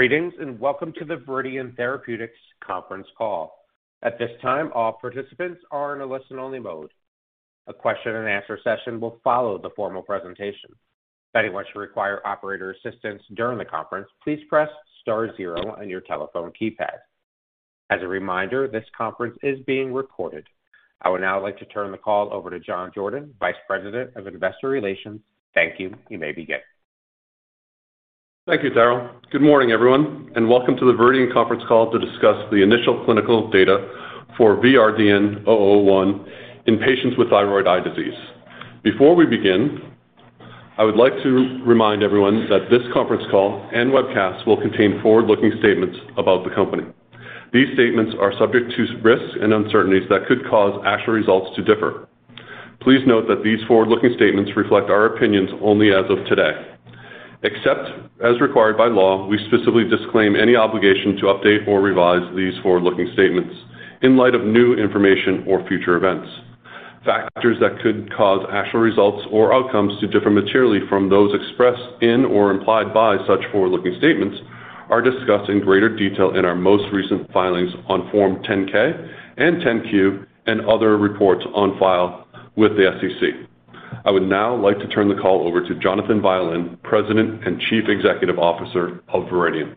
Greetings, and welcome to the Viridian Therapeutics conference call. At this time, all participants are in a listen-only mode. A question and answer session will follow the formal presentation. If anyone should require operator assistance during the conference, please press star zero on your telephone keypad. As a reminder, this conference is being recorded. I would now like to turn the call over to John Jordan, Vice President of Investor Relations. Thank you. You may begin. Thank you, Daryl. Good morning, everyone, and welcome to the Viridian conference call to discuss the initial clinical data for VRDN-001 in patients with thyroid eye disease. Before we begin, I would like to remind everyone that this conference call and webcast will contain forward-looking statements about the company. These statements are subject to risks and uncertainties that could cause actual results to differ. Please note that these forward-looking statements reflect our opinions only as of today. Except as required by law, we specifically disclaim any obligation to update or revise these forward-looking statements in light of new information or future events. Factors that could cause actual results or outcomes to differ materially from those expressed in or implied by such forward-looking statements are discussed in greater detail in our most recent filings on Form 10-K and 10-Q and other reports on file with the SEC. I would now like to turn the call over to Jonathan Violin, President and Chief Executive Officer of Viridian Therapeutics.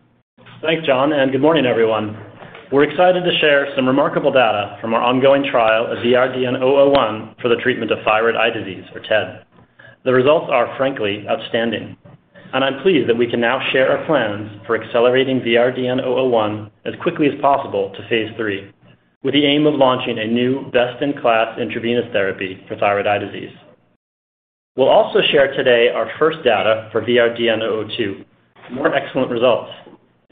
Thanks, John, and good morning, everyone. We're excited to share some remarkable data from our ongoing trial of VRDN-001 for the treatment of thyroid eye disease or TED. The results are frankly outstanding, and I'm pleased that we can now share our plans for accelerating VRDN-001 as quickly as possible to phase III, with the aim of launching a new best-in-class intravenous therapy for thyroid eye disease. We'll also share today our first data for VRDN-002, more excellent results.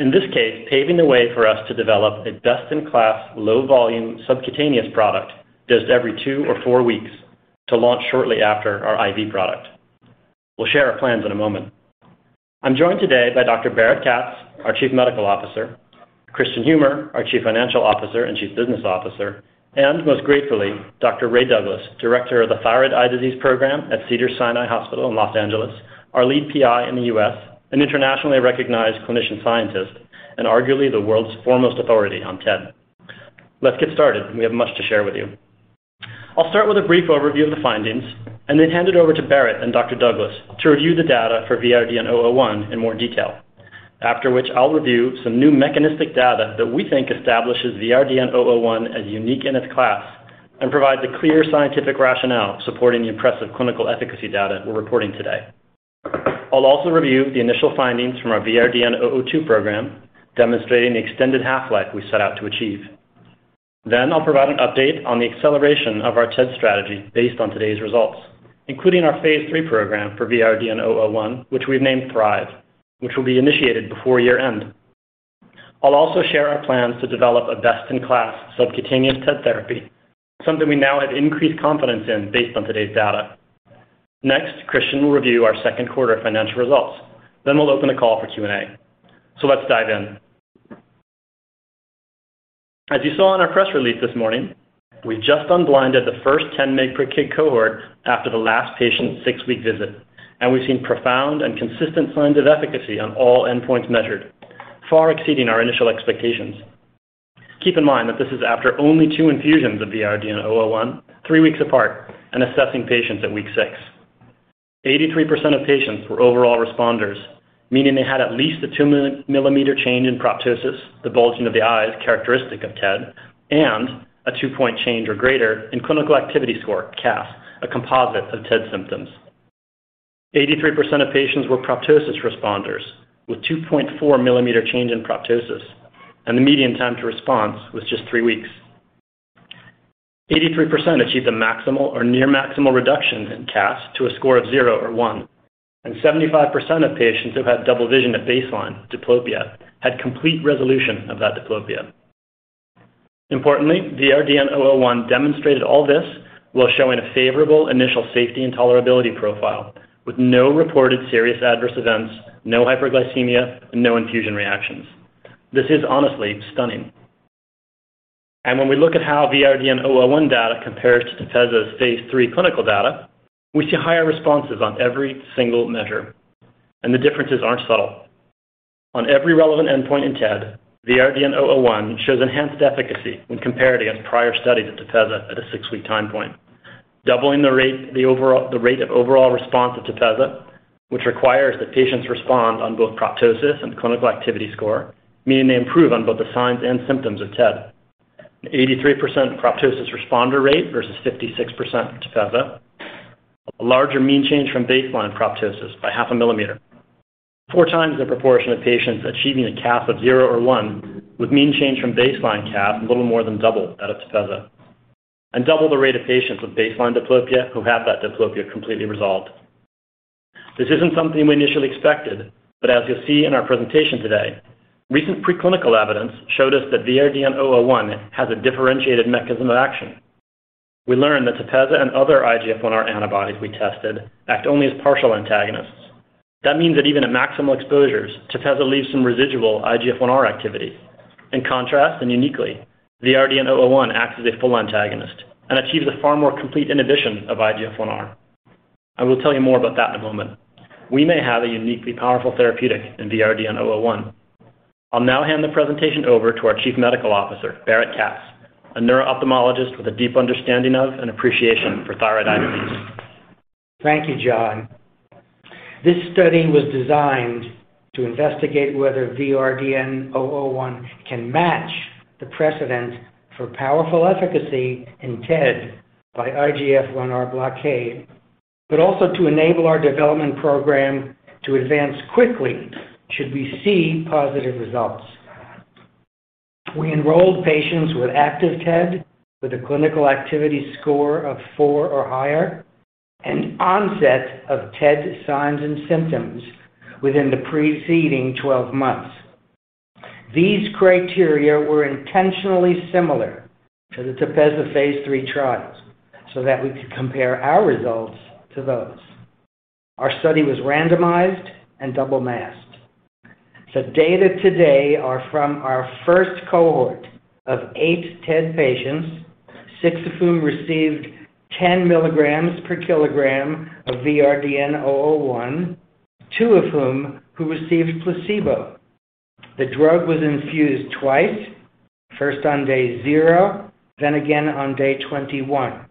In this case, paving the way for us to develop a best-in-class low volume subcutaneous product dosed every two or four weeks to launch shortly after our IV product. We'll share our plans in a moment. I'm joined today by Dr. Barrett Katz, our Chief Medical Officer, Kristian Humer, our Chief Financial Officer and Chief Business Officer, and most gratefully, Dr. Raymond Douglas, Director of the Thyroid Eye Disease Program at Cedars-Sinai Hospital in Los Angeles, our lead PI in the U.S., an internationally recognized clinician scientist, and arguably the world's foremost authority on TED. Let's get started. We have much to share with you. I'll start with a brief overview of the findings and then hand it over to Barrett and Dr. Douglas to review the data for VRDN-001 in more detail. After which I'll review some new mechanistic data that we think establishes VRDN-001 as unique in its class and provide the clear scientific rationale supporting the impressive clinical efficacy data we're reporting today. I'll also review the initial findings from our VRDN-002 program, demonstrating the extended half-life we set out to achieve. I'll provide an update on the acceleration of our TED strategy based on today's results, including our phase III program for VRDN-001, which we've named THRIVE, which will be initiated before year-end. I'll also share our plans to develop a best-in-class subcutaneous TED therapy, something we now have increased confidence in based on today's data. Next, Kristian will review our second quarter financial results, then we'll open the call for Q&A. Let's dive in. As you saw in our press release this morning, we just unblinded the first 10 mg per kg cohort after the last patient's six-week visit, and we've seen profound and consistent signs of efficacy on all endpoints measured, far exceeding our initial expectations. Keep in mind that this is after only two infusions of VRDN-001, three weeks apart and assessing patients at week six. 83% of patients were overall responders, meaning they had at least a 2 mm change in proptosis, the bulging of the eyes characteristic of TED, and a two-point change or greater in clinical activity score, CAS, a composite of TED symptoms. 83% of patients were proptosis responders with 2.4 mm change in proptosis, and the median time to response was just three weeks. 83% achieved a maximal or near maximal reduction in CAS to a score of zero or one, and 75% of patients who had double vision at baseline, diplopia, had complete resolution of that diplopia. Importantly, VRDN-001 demonstrated all this while showing a favorable initial safety and tolerability profile with no reported serious adverse events, no hyperglycemia, and no infusion reactions. This is honestly stunning. When we look at how VRDN-001 data compares to TEPEZZA's phase III clinical data, we see higher responses on every single measure, and the differences aren't subtle. On every relevant endpoint in TED, VRDN-001 shows enhanced efficacy when compared against prior studies of TEPEZZA at a six-week time point. Doubling the rate, the rate of overall response of TEPEZZA, which requires that patients respond on both proptosis and clinical activity score, meaning they improve on both the signs and symptoms of TED. An 83% proptosis responder rate versus 56% TEPEZZA. A larger mean change from baseline proptosis by half a millimeter. Four times the proportion of patients achieving a CAS of zero or one with mean change from baseline CAS, a little more than double that of TEPEZZA, and double the rate of patients with baseline diplopia who have that diplopia completely resolved. This isn't something we initially expected, but as you'll see in our presentation today, recent preclinical evidence showed us that VRDN-001 has a differentiated mechanism of action. We learned that TEPEZZA and other IGF-1R antibodies we tested act only as partial antagonists. That means that even at maximal exposures, TEPEZZA leaves some residual IGF-1R activity. In contrast, and uniquely, VRDN-001 acts as a full antagonist and achieves a far more complete inhibition of IGF-1R. I will tell you more about that in a moment. We may have a uniquely powerful therapeutic in VRDN-001. I'll now hand the presentation over to our Chief Medical Officer, Barrett Katz, a neuro-ophthalmologist with a deep understanding of and appreciation for thyroid eye disease. Thank you, John. This study was designed to investigate whether VRDN-001 can match the precedent for powerful efficacy in TED by IGF-1R blockade, but also to enable our development program to advance quickly should we see positive results. We enrolled patients with active TED with a clinical activity score of four or higher and onset of TED signs and symptoms within the preceding 12 months. These criteria were intentionally similar to the TEPEZZA phase III trials so that we could compare our results to those. Our study was randomized and double masked. The data today are from our first cohort of eight TED patients, six of whom received 10 milligrams per kilogram of VRDN-001, two of whom received placebo. The drug was infused twice, first on day zero, then again on day 21.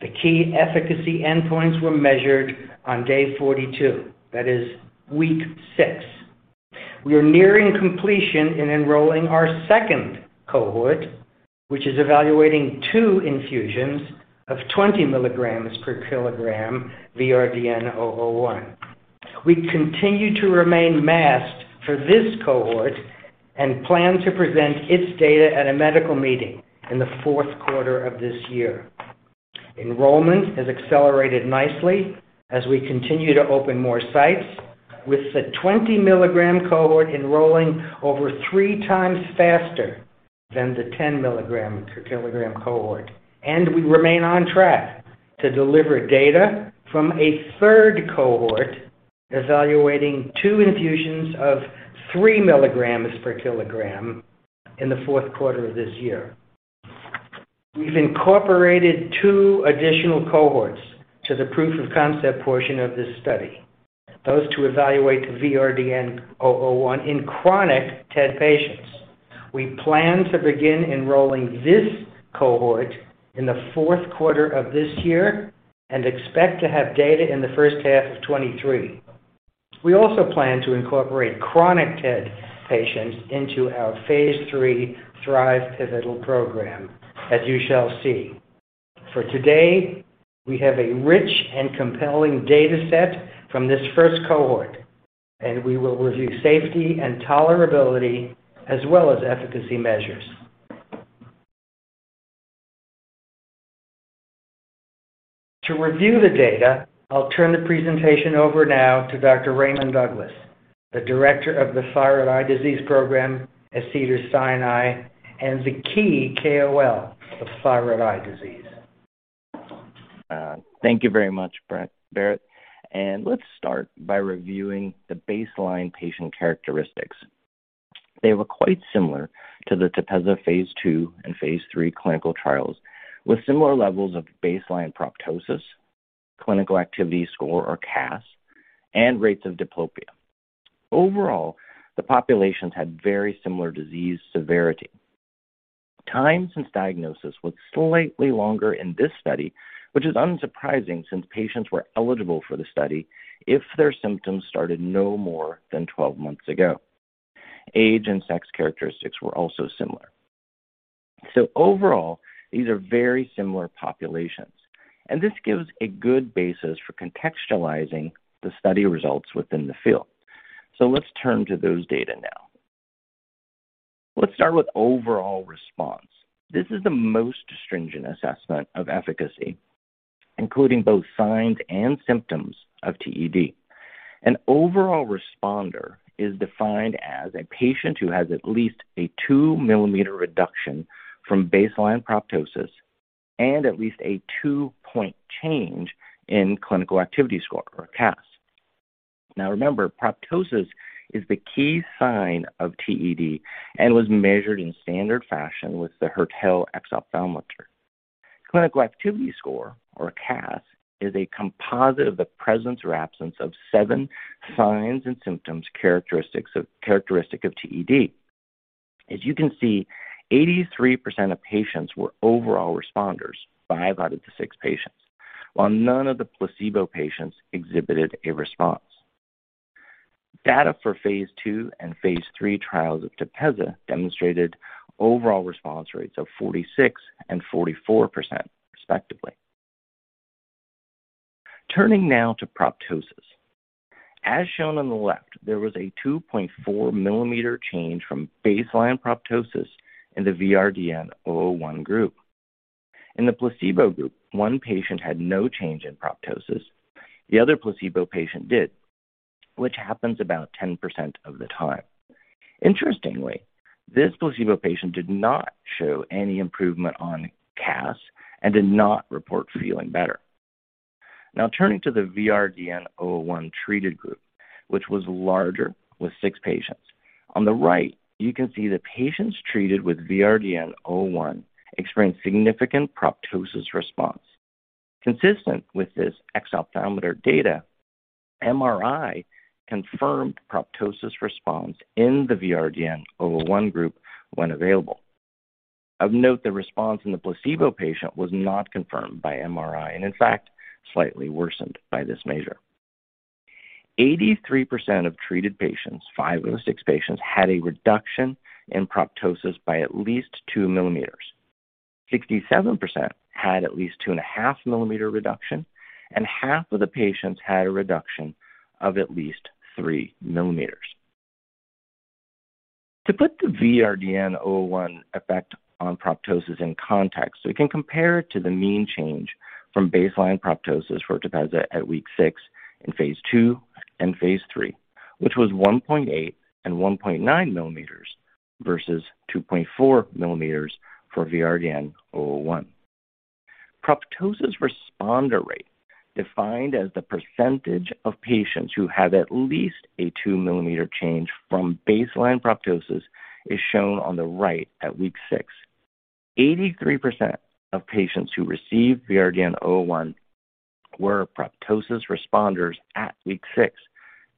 The key efficacy endpoints were measured on day 42. That is week six. We are nearing completion in enrolling our second cohort, which is evaluating two infusions of 20 milligrams per kilogram VRDN-001. We continue to remain masked for this cohort and plan to present its data at a medical meeting in the fourth quarter of this year. Enrollment has accelerated nicely as we continue to open more sites with the 20-milligram cohort enrolling over three times faster than the 10-milligram per kilogram cohort. We remain on track to deliver data from a third cohort evaluating two infusions of 3 milligrams per kilogram in the fourth quarter of this year. We've incorporated two additional cohorts to the proof of concept portion of this study. Those two evaluate the VRDN-001 in chronic TED patients. We plan to begin enrolling this cohort in the fourth quarter of this year and expect to have data in the first half of 2023. We also plan to incorporate chronic TED patients into our phase III THRIVE pivotal program as you shall see. For today, we have a rich and compelling data set from this first cohort, and we will review safety and tolerability as well as efficacy measures. To review the data, I'll turn the presentation over now to Dr. Raymond Douglas, the director of the Thyroid Eye Disease Program at Cedars-Sinai and the key KOL of thyroid eye disease. Thank you very much, Barrett. Let's start by reviewing the baseline patient characteristics. They were quite similar to the TEPEZZA phase II and phase III clinical trials with similar levels of baseline proptosis, clinical activity score or CAS, and rates of diplopia. Overall, the populations had very similar disease severity. Time since diagnosis was slightly longer in this study, which is unsurprising since patients were eligible for the study if their symptoms started no more than 12 months ago. Age and sex characteristics were also similar. Overall, these are very similar populations, and this gives a good basis for contextualizing the study results within the field. Let's turn to those data now. Let's start with overall response. This is the most stringent assessment of efficacy, including both signs and symptoms of TED. An overall responder is defined as a patient who has at least a 2-mm reduction from baseline proptosis and at least a two-point change in clinical activity score or CAS. Now remember, proptosis is the key sign of TED and was measured in standard fashion with the Hertel exophthalmometer. Clinical activity score or CAS is a composite of the presence or absence of seven signs and symptoms characteristic of TED. As you can see, 83% of patients were overall responders, five out of the six patients, while none of the placebo patients exhibited a response. Data for phase II and phase III trials of TEPEZZA demonstrated overall response rates of 46% and 44% respectively. Turning now to proptosis. As shown on the left, there was a 2.4 mm change from baseline proptosis in the VRDN-001 group. In the placebo group, one patient had no change in proptosis. The other placebo patient did, which happens about 10% of the time. Interestingly, this placebo patient did not show any improvement on CAS and did not report feeling better. Now turning to the VRDN-001 treated group, which was larger with six patients. On the right, you can see the patients treated with VRDN-001 experienced significant proptosis response. Consistent with this exophthalmometer data, MRI confirmed proptosis response in the VRDN-001 group when available. Of note, the response in the placebo patient was not confirmed by MRI and in fact, slightly worsened by this measure. 83% of treated patients, five of the six patients, had a reduction in proptosis by at least 2 mm. 67% had at least 2.5-millimeter reduction, and half of the patients had a reduction of at least 3 mm. To put the VRDN-001 effect on proptosis in context, we can compare it to the mean change from baseline proptosis for TEPEZZA at week six in phase II and phase III, which was 1.8 and 1.9 mm versus 2.4 mm for VRDN-001. Proptosis responder rate, defined as the percentage of patients who had at least a 2 mm change from baseline proptosis, is shown on the right at week six. 83% of patients who received VRDN-001 were proptosis responders at week six,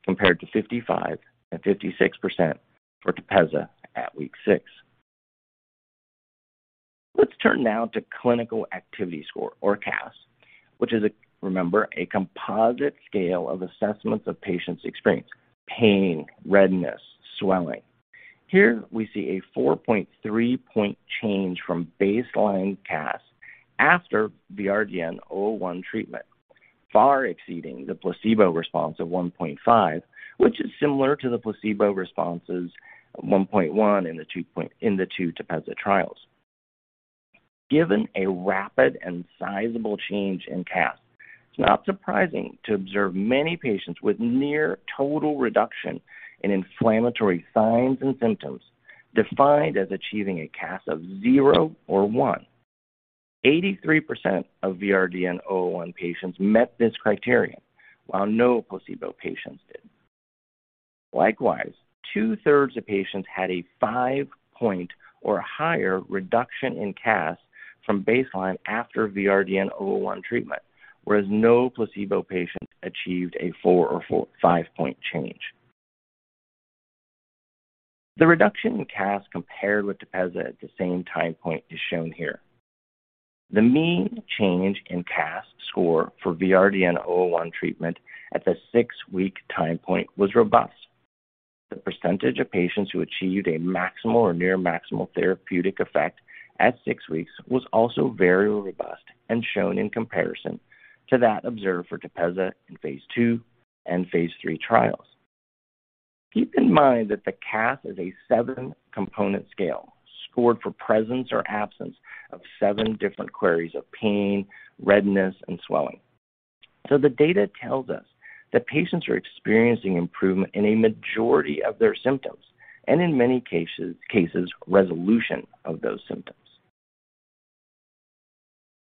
compared to 55% and 56% for TEPEZZA at week six. Let's turn now to clinical activity score or CAS, which is a, remember, a composite scale of assessments of patients' experience, pain, redness, swelling. Here we see a 4.3-point change from baseline CAS after VRDN-001 treatment, far exceeding the placebo response of 1.5 mm, which is similar to the placebo responses 1.1 mm in the two TEPEZZA trials. Given a rapid and sizable change in CAS, it's not surprising to observe many patients with near total reduction in inflammatory signs and symptoms defined as achieving a CAS of zero or one. 83% of VRDN-001 patients met this criterion, while no placebo patients did. Likewise, 2/3 of patients had a five-point or higher reduction in CAS from baseline after VRDN-001 treatment, whereas no placebo patients achieved a four- or five-point change. The reduction in CAS compared with TEPEZZA at the same time point is shown here. The mean change in CAS score for VRDN-001 treatment at the six-week time point was robust. The percentage of patients who achieved a maximal or near maximal therapeutic effect at six weeks was also very robust and shown in comparison to that observed for TEPEZZA in phase II and phase III trials. Keep in mind that the CAS is a seven-component scale scored for presence or absence of seven different queries of pain, redness, and swelling. The data tells us that patients are experiencing improvement in a majority of their symptoms and in many cases, resolution of those symptoms.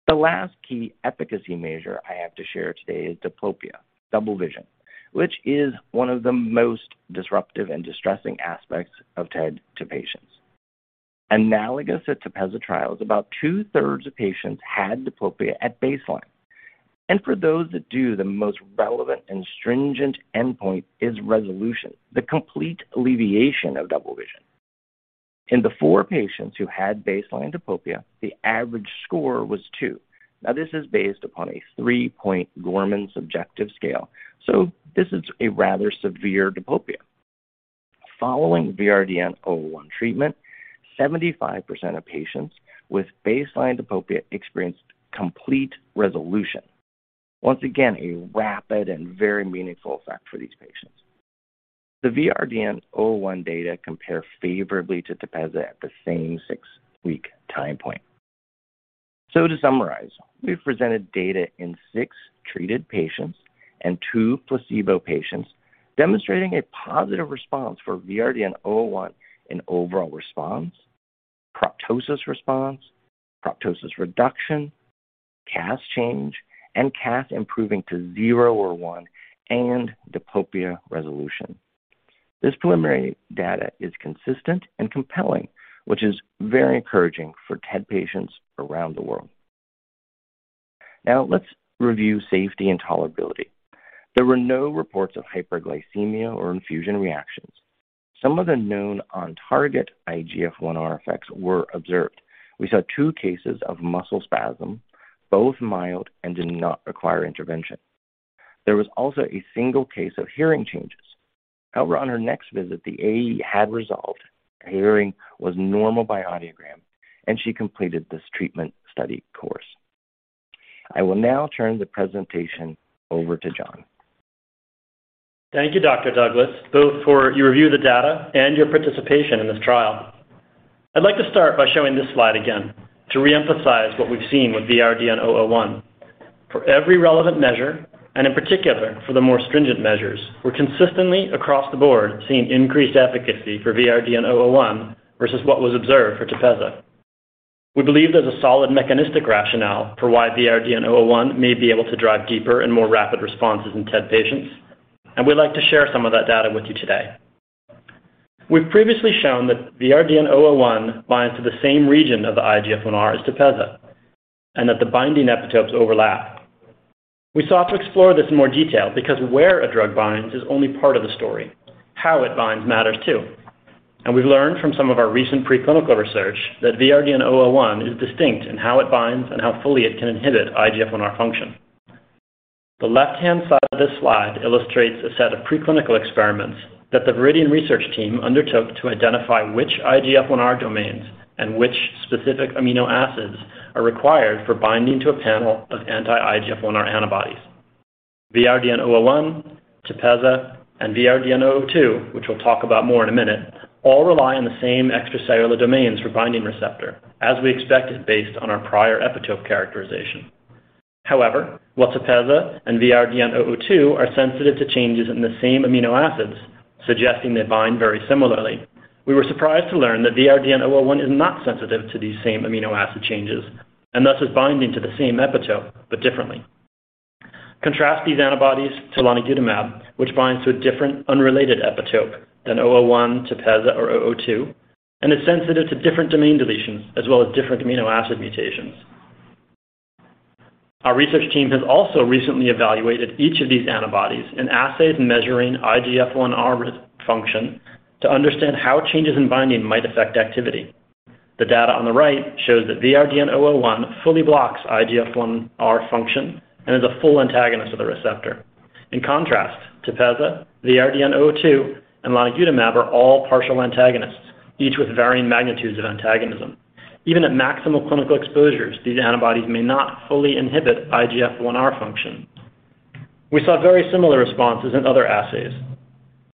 The last key efficacy measure I have to share today is diplopia, double vision, which is one of the most disruptive and distressing aspects of TED to patients. Analogous to TEPEZZA trials, about two-thirds of patients had diplopia at baseline. For those that do, the most relevant and stringent endpoint is resolution, the complete alleviation of double vision. In the 4 patients who had baseline diplopia, the average score was two. Now, this is based upon a three-point Gorman subjective scale. This is a rather severe diplopia. Following VRDN-001 treatment, 75% of patients with baseline diplopia experienced complete resolution. Once again, a rapid and very meaningful effect for these patients. The VRDN-001 data compare favorably to TEPEZZA at the same six-week time point. To summarize, we've presented data in six treated patients and two placebo patients demonstrating a positive response for VRDN-001 in overall response, proptosis response, proptosis reduction, CAS change, and CAS improving to zero or one, and diplopia resolution. This preliminary data is consistent and compelling, which is very encouraging for TED patients around the world. Now let's review safety and tolerability. There were no reports of hyperglycemia or infusion reactions. Some of the known on-target IGF-1R effects were observed. We saw two cases of muscle spasm, both mild and did not require intervention. There was also a single case of hearing changes. However, on her next visit, the AE had resolved. Her hearing was normal by audiogram, and she completed this treatment study course. I will now turn the presentation over to John. Thank you, Dr. Douglas, both for your review of the data and your participation in this trial. I'd like to start by showing this slide again to reemphasize what we've seen with VRDN-001. For every relevant measure, and in particular for the more stringent measures, we're consistently across the board seeing increased efficacy for VRDN-001 versus what was observed for TEPEZZA. We believe there's a solid mechanistic rationale for why VRDN-001 may be able to drive deeper and more rapid responses in TED patients, and we'd like to share some of that data with you today. We've previously shown that VRDN-001 binds to the same region of the IGF-1R as TEPEZZA, and that the binding epitopes overlap. We sought to explore this in more detail because where a drug binds is only part of the story. How it binds matters, too. We've learned from some of our recent preclinical research that VRDN-001 is distinct in how it binds and how fully it can inhibit IGF-1R function. The left-hand side of this slide illustrates a set of preclinical experiments that the Viridian research team undertook to identify which IGF-1R domains and which specific amino acids are required for binding to a panel of anti-IGF-1R antibodies. VRDN-001, TEPEZZA, and VRDN-002, which we'll talk about more in a minute, all rely on the same extracellular domains for binding receptor, as we expected based on our prior epitope characterization. However, while TEPEZZA and VRDN-002 are sensitive to changes in the same amino acids, suggesting they bind very similarly, we were surprised to learn that VRDN-001 is not sensitive to these same amino acid changes, and thus is binding to the same epitope, but differently. Contrast these antibodies to ganitumab, which binds to a different, unrelated epitope than 001, TEPEZZA, or 002, and is sensitive to different domain deletions as well as different amino acid mutations. Our research team has also recently evaluated each of these antibodies in assays measuring IGF-1R function to understand how changes in binding might affect activity. The data on the right shows that VRDN-001 fully blocks IGF-1R function and is a full antagonist of the receptor. In contrast, TEPEZZA, VRDN-002, and ganitumab are all partial antagonists, each with varying magnitudes of antagonism. Even at maximal clinical exposures, these antibodies may not fully inhibit IGF-1R function. We saw very similar responses in other assays.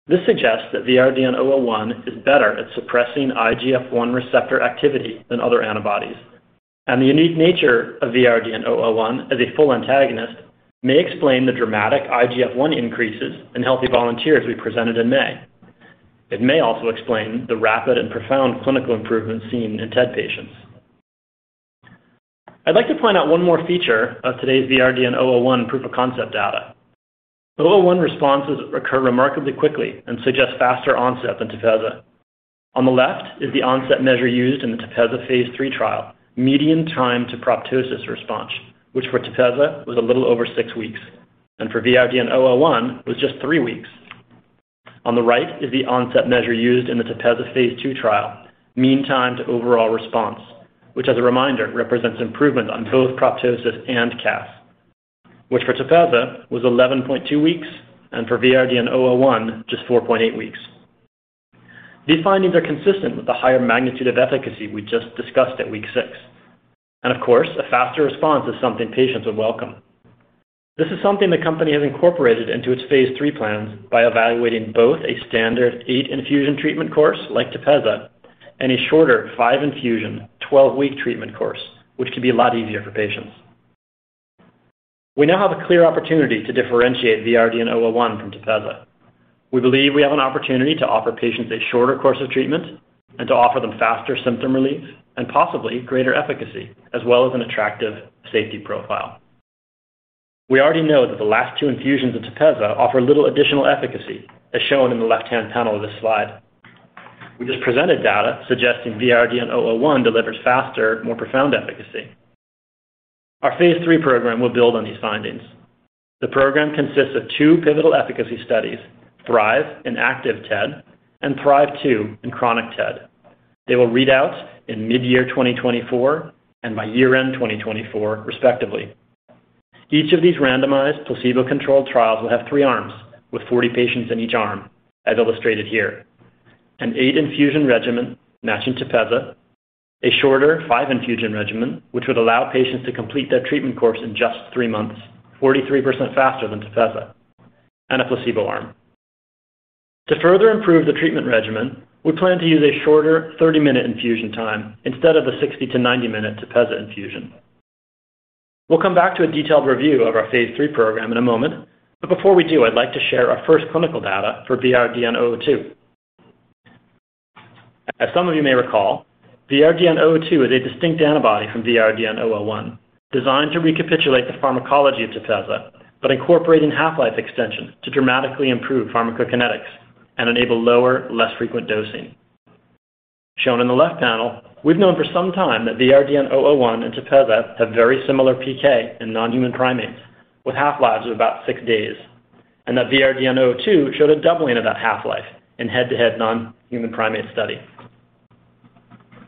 This suggests that VRDN-001 is better at suppressing IGF-1 receptor activity than other antibodies. The unique nature of VRDN-001 as a full antagonist may explain the dramatic IGF-1 increases in healthy volunteers we presented in May. It may also explain the rapid and profound clinical improvements seen in TED patients. I'd like to point out one more feature of today's VRDN-001 proof of concept data. 001 responses occur remarkably quickly and suggest faster onset than TEPEZZA. On the left is the onset measure used in the TEPEZZA phase 3 trial, median time to proptosis response, which for TEPEZZA was a little over six weeks, and for VRDN-001 was just three weeks. On the right is the onset measure used in the TEPEZZA phase II trial, mean time to overall response, which as a reminder represents improvement on both proptosis and CAS, which for TEPEZZA was 11.2 weeks, and for VRDN-001 just 4.8 weeks. These findings are consistent with the higher magnitude of efficacy we just discussed at week six. Of course, a faster response is something patients would welcome. This is something the company has incorporated into its phase III plans by evaluating both a standard eight-infusion treatment course like TEPEZZA and a shorter five-infusion, 12-week treatment course, which can be a lot easier for patients. We now have a clear opportunity to differentiate VRDN-001 from TEPEZZA. We believe we have an opportunity to offer patients a shorter course of treatment and to offer them faster symptom relief and possibly greater efficacy, as well as an attractive safety profile. We already know that the last two infusions of TEPEZZA offer little additional efficacy, as shown in the left-hand panel of this slide. We just presented data suggesting VRDN-001 delivers faster, more profound efficacy. Our phase III program will build on these findings. The program consists of two pivotal efficacy studies, THRIVE in active TED and THRIVE-II in chronic TED. They will read out in mid-year 2024 and by year-end 2024, respectively. Each of these randomized, placebo-controlled trials will have three arms, with 40 patients in each arm, as illustrated here. An 8-infusion regimen matching TEPEZZA, a shorter five-infusion regimen, which would allow patients to complete their treatment course in just three months, 43% faster than TEPEZZA, and a placebo arm. To further improve the treatment regimen, we plan to use a shorter 30-minute infusion time instead of the 60- to 90-minute TEPEZZA infusion. We'll come back to a detailed review of our phase III program in a moment, but before we do, I'd like to share our first clinical data for VRDN-002. As some of you may recall, VRDN-002 is a distinct antibody from VRDN-001, designed to recapitulate the pharmacology of TEPEZZA, but incorporating half-life extension to dramatically improve pharmacokinetics and enable lower, less frequent dosing. Shown in the left panel, we've known for some time that VRDN-001 and TEPEZZA have very similar PK in non-human primates, with half-lives of about six days, and that VRDN-002 showed a doubling of that half-life in head-to-head non-human primate study.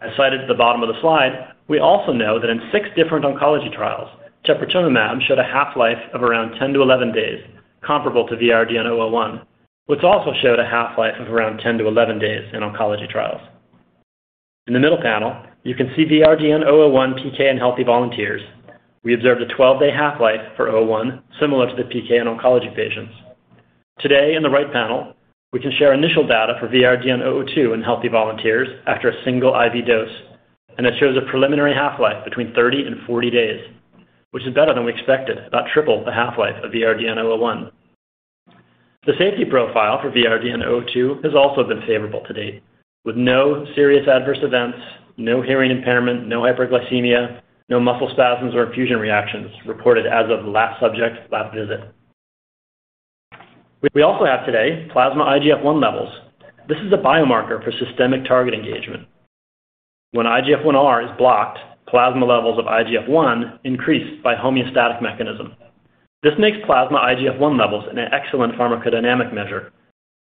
As cited at the bottom of the slide, we also know that in six different oncology trials, teprotumumab showed a half-life of around 10-11 days, comparable to VRDN-001, which also showed a half-life of around 10-11 days in oncology trials. In the middle panel, you can see VRDN-001 PK in healthy volunteers. We observed a 12-day half-life for 001, similar to the PK in oncology patients. Today, in the right panel, we can share initial data for VRDN-002 in healthy volunteers after a single IV dose, and it shows a preliminary half-life between 30 and 40 days, which is better than we expected, about triple the half-life of VRDN-001. The safety profile for VRDN-002 has also been favorable to date, with no serious adverse events, no hearing impairment, no hyperglycemia, no muscle spasms or infusion reactions reported as of last subject last visit. We also have today plasma IGF-1 levels. This is a biomarker for systemic target engagement. When IGF-1R is blocked, plasma levels of IGF-1 increase by homeostatic mechanism. This makes plasma IGF-1 levels an excellent pharmacodynamic measure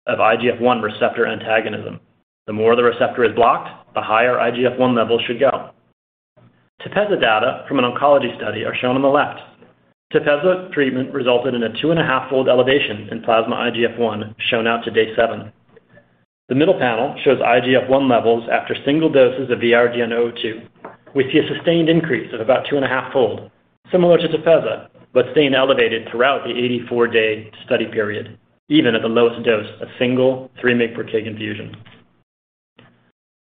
of IGF-1 receptor antagonism. The more the receptor is blocked, the higher IGF-1 levels should go. TEPEZZA data from an oncology study are shown on the left. TEPEZZA treatment resulted in a 2.5-fold elevation in plasma IGF-1 shown up to day seven. The middle panel shows IGF-1 levels after single doses of VRDN-002. We see a sustained increase of about 2.5-fold, similar to TEPEZZA, but staying elevated throughout the 84-day study period, even at the lowest dose of single 3 mg per kg infusion.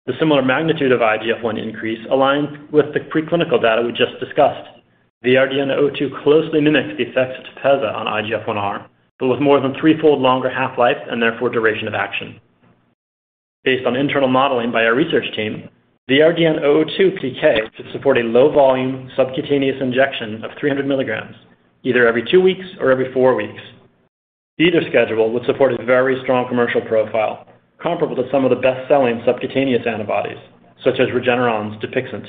The similar magnitude of IGF-1 increase aligns with the preclinical data we just discussed. VRDN-002 closely mimics the effects of TEPEZZA on IGF-1R, but with more than three-fold longer half-life and therefore duration of action. Based on internal modeling by our research team, VRDN-002 PK should support a low-volume subcutaneous injection of 300 mg either every two weeks or every weeks. Either schedule would support a very strong commercial profile comparable to some of the best-selling subcutaneous antibodies such as Regeneron's Dupixent.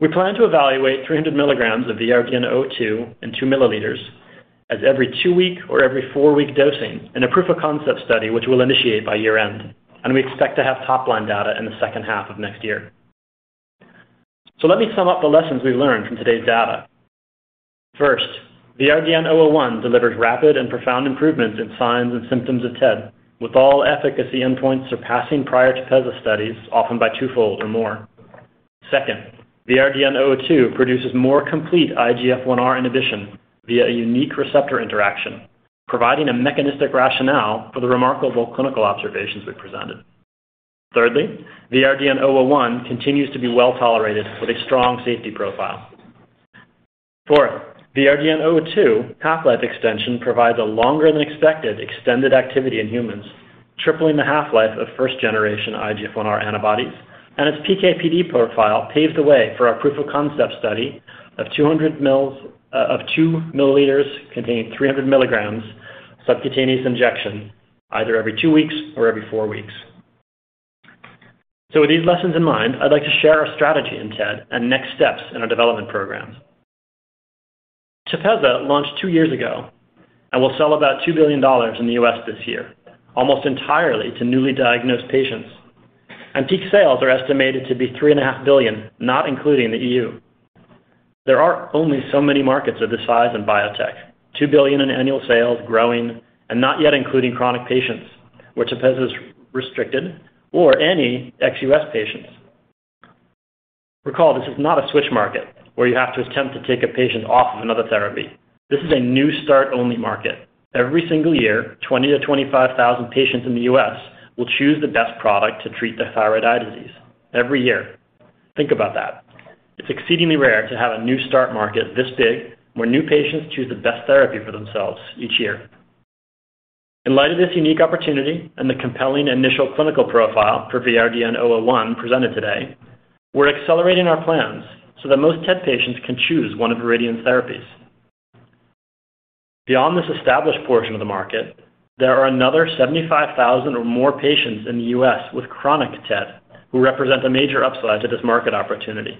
We plan to evaluate 300 milligrams of VRDN-002 in 2 milliliters as every two week or every four-week dosing in a proof of concept study which we'll initiate by year-end, and we expect to have top-line data in the second half of next year. Let me sum up the lessons we learned from today's data. First, VRDN-001 delivers rapid and profound improvements in signs and symptoms of TED, with all efficacy endpoints surpassing prior TEPEZZA studies, often by twofold or more. Second, VRDN-002 produces more complete IGF-1R inhibition via a unique receptor interaction, providing a mechanistic rationale for the remarkable clinical observations we presented. Thirdly, VRDN-001 continues to be well-tolerated with a strong safety profile. Fourth, VRDN-002 half-life extension provides a longer than expected extended activity in humans, tripling the half-life of first generation IGF-1R antibodies, and its PK/PD profile paves the way for our proof of concept study of 200 of 2 milliliters containing 300 milligrams subcutaneous injection either every two weeks or every four weeks. With these lessons in mind, I'd like to share our strategy in TED and next steps in our development programs. TEPEZZA launched two years ago and will sell about $2 billion in the U.S. this year, almost entirely to newly diagnosed patients. Peak sales are estimated to be $3.5 billion, not including the E.U. There are only so many markets of this size in biotech. $2 billion in annual sales growing and not yet including chronic patients, which TEPEZZA is restricted or any ex-U.S. patients. Recall, this is not a switch market where you have to attempt to take a patient off of another therapy. This is a new start-only market. Every single year, 20,000 to 25,000 patients in the U.S. will choose the best product to treat their thyroid eye disease every year. Think about that. It's exceedingly rare to have a new start market this big where new patients choose the best therapy for themselves each year. In light of this unique opportunity and the compelling initial clinical profile for VRDN-001 presented today, we're accelerating our plans so that most TED patients can choose one of Viridian Therapeutics. Beyond this established portion of the market, there are another 75,000 or more patients in the U.S. with chronic TED who represent a major upside to this market opportunity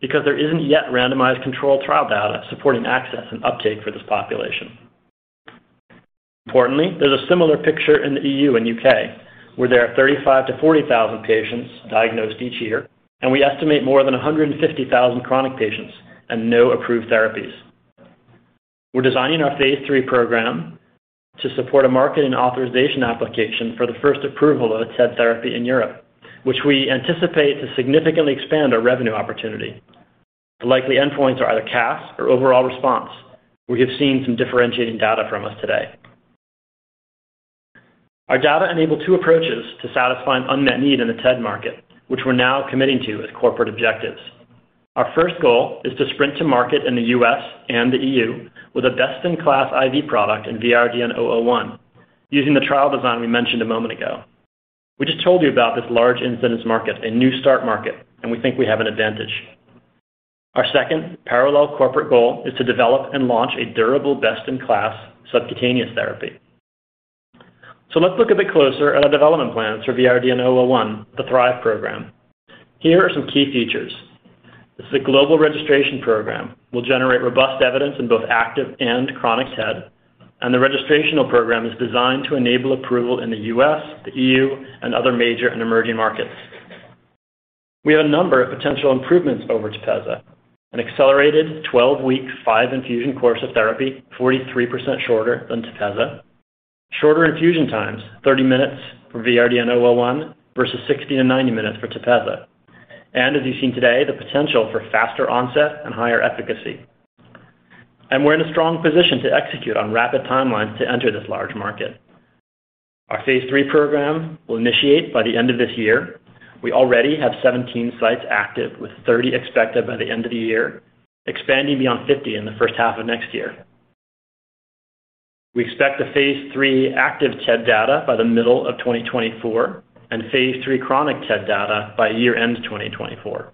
because there isn't yet randomized controlled trial data supporting access and uptake for this population. Importantly, there's a similar picture in the E.U. and U.K., where there are 35,000-40,000 patients diagnosed each year, and we estimate more than 150,000 chronic patients and no approved therapies. We're designing our phase III program to support a marketing authorization application for the first approval of a TED therapy in Europe, which we anticipate to significantly expand our revenue opportunity. The likely endpoints are either CAS or overall response, where you've seen some differentiating data from us today. Our data enable two approaches to satisfy an unmet need in the TED market, which we're now committing to as corporate objectives. Our first goal is to sprint to market in the U.S. and the E.U. with a best-in-class IV product in VRDN-001 using the trial design we mentioned a moment ago. We just told you about this large incidence market, a new start market, and we think we have an advantage. Our second parallel corporate goal is to develop and launch a durable, best-in-class subcutaneous therapy. Let's look a bit closer at our development plans for VRDN-001, the THRIVE program. Here are some key features. This is a global registration program. We'll generate robust evidence in both active and chronic TED, and the registrational program is designed to enable approval in the U.S., the E.U., and other major and emerging markets. We have a number of potential improvements over TEPEZZA, an accelerated 12-week, five-infusion course of therapy, 43% shorter than TEPEZZA. Shorter infusion times, 30 minutes for VRDN-001 versus 60-90 minutes for TEPEZZA. As you've seen today, the potential for faster onset and higher efficacy. We're in a strong position to execute on rapid timelines to enter this large market. Our phase III program will initiate by the end of this year. We already have 17 sites active, with 30 expected by the end of the year, expanding beyond 50 in the first half of next year. We expect the phase III active TED data by the middle of 2024 and phase III chronic TED data by year-end 2024.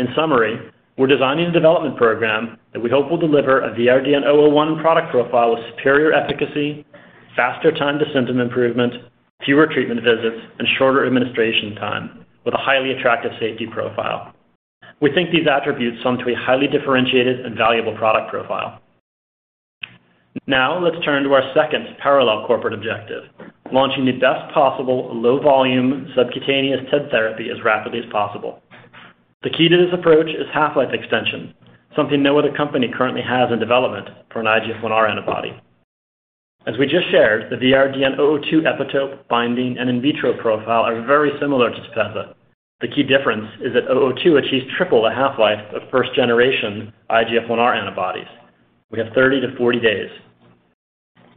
In summary, we're designing a development program that we hope will deliver a VRDN-001 product profile with superior efficacy, faster time to symptom improvement, fewer treatment visits, and shorter administration time with a highly attractive safety profile. We think these attributes sum to a highly differentiated and valuable product profile. Now, let's turn to our second parallel corporate objective, launching the best possible low-volume subcutaneous TED therapy as rapidly as possible. The key to this approach is half-life extension, something no other company currently has in development for an IGF-1 antibody. As we just shared, the VRDN-002 epitope binding and in vitro profile are very similar to TEPEZZA. The key difference is that 002 achieves triple the half-life of first generation IGF-1R antibodies. We have 30-40 days.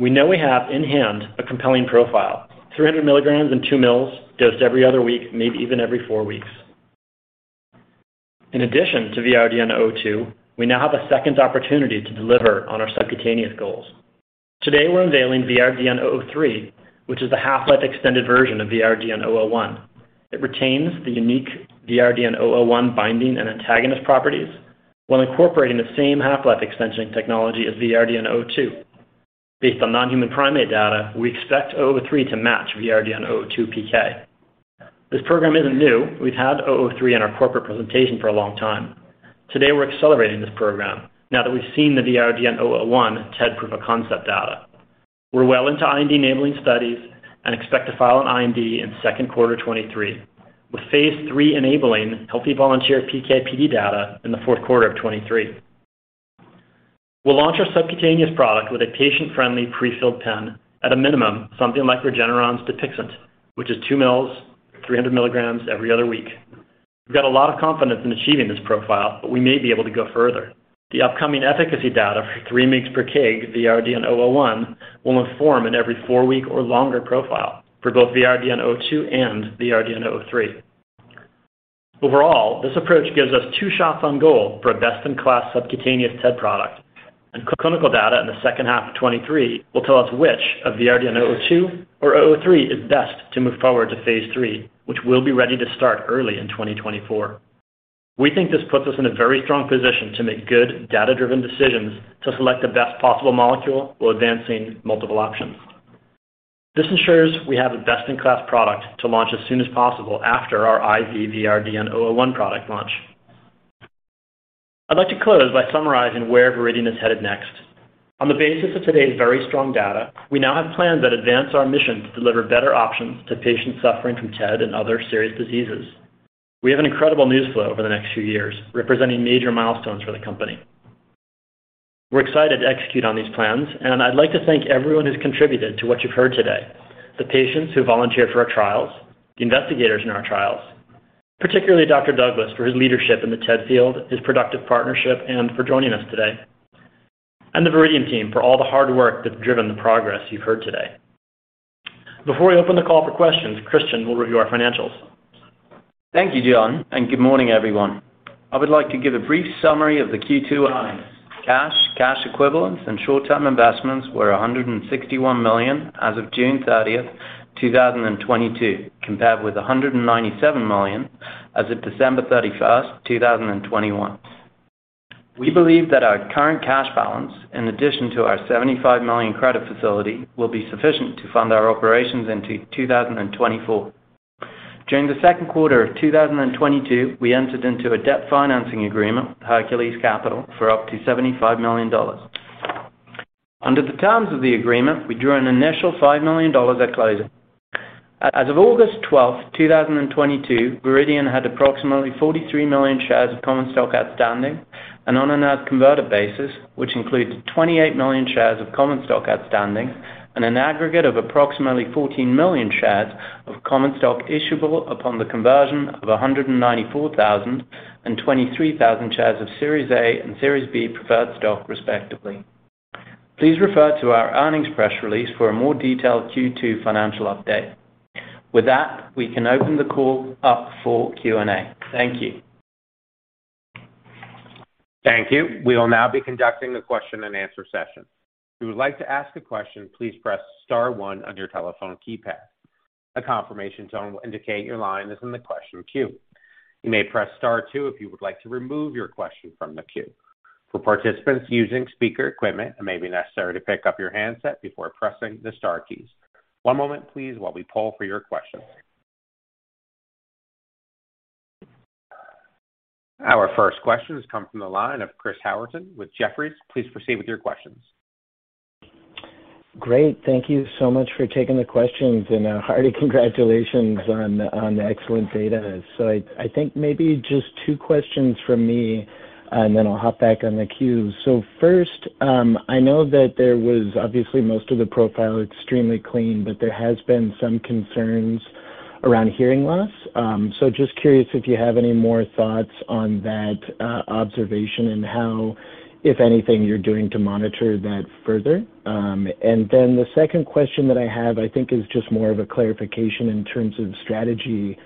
We know we have in hand a compelling profile, 300 milligrams and 2 mL dosed every other week, maybe even every four weeks. In addition to VRDN-002, we now have a second opportunity to deliver on our subcutaneous goals. Today, we're unveiling VRDN-003, which is the half-life extended version of VRDN-001. It retains the unique VRDN-001 binding and antagonist properties while incorporating the same half-life extension technology as VRDN-002. Based on non-human primate data, we expect 003 to match VRDN-002 PK. This program isn't new. We've had 003 in our corporate presentation for a long time. Today, we're accelerating this program now that we've seen the VRDN-001 TED proof of concept data. We're well into IND-enabling studies and expect to file an IND in second quarter 2023, with phase III enabling healthy volunteer PK/PD data in the fourth quarter of 2023. We'll launch our subcutaneous product with a patient-friendly prefilled pen at a minimum, something like Regeneron's Dupixent, which is 2 mL, 300 milligrams every other week. We've got a lot of confidence in achieving this profile, but we may be able to go further. The upcoming efficacy data for 3 mg per kg VRDN-001 will inform every four-week or longer profile for both VRDN-002 and VRDN-003. Overall, this approach gives us two shots on goal for a best-in-class subcutaneous TED product, and clinical data in the second half of 2023 will tell us which of VRDN-002 or 003 is best to move forward to phase III, which will be ready to start early in 2024. We think this puts us in a very strong position to make good data-driven decisions to select the best possible molecule while advancing multiple options. This ensures we have a best-in-class product to launch as soon as possible after our IV VRDN-001 product launch. I'd like to close by summarizing where Viridian is headed next. On the basis of today's very strong data, we now have plans that advance our mission to deliver better options to patients suffering from TED and other serious diseases. We have an incredible news flow over the next few years, representing major milestones for the company. We're excited to execute on these plans, and I'd like to thank everyone who's contributed to what you've heard today, the patients who volunteered for our trials, the investigators in our trials, particularly Dr. Douglas for his leadership in the TED field, his productive partnership, and for joining us today, and the Viridian team for all the hard work that's driven the progress you've heard today. Before we open the call for questions, Kristian will review our financials. Thank you, John, and good morning, everyone. I would like to give a brief summary of the Q2 earnings. Cash, cash equivalents, and short-term investments were $161 million as of June 30, 2022, compared with $197 million as of December 31st, 2021. We believe that our current cash balance, in addition to our $75 million credit facility, will be sufficient to fund our operations into 2024. During the second quarter of 2022, we entered into a debt financing agreement with Hercules Capital for up to $75 million. Under the terms of the agreement, we drew an initial $5 million at closing. As of August 12th, 2022, Viridian had approximately 43 million shares of common stock outstanding and on an as-converted basis, which includes 28 million shares of common stock outstanding and an aggregate of approximately 14 million shares of common stock issuable upon the conversion of 194,000 and 23,000 shares of Series A and Series B preferred stock, respectively. Please refer to our earnings press release for a more detailed Q2 financial update. With that, we can open the call up for Q&A. Thank you. Thank you. We will now be conducting the question and answer session. If you would like to ask a question, please press star one on your telephone keypad. A confirmation tone will indicate your line is in the question queue. You may press star two if you would like to remove your question from the queue. For participants using speaker equipment, it may be necessary to pick up your handset before pressing the star keys. One moment please while we poll for your questions. Our first question has come from the line of Chris Howerton with Jefferies. Please proceed with your questions. Great. Thank you so much for taking the questions and a hearty congratulations on the excellent data. I think maybe just two questions from me, and then I'll hop back on the queue. First, I know that there was obviously most of the profile extremely clean, but there has been some concerns around hearing loss. Just curious if you have any more thoughts on that observation and how, if anything, you're doing to monitor that further. And then the second question that I have, I think is just more of a clarification in terms of strategy.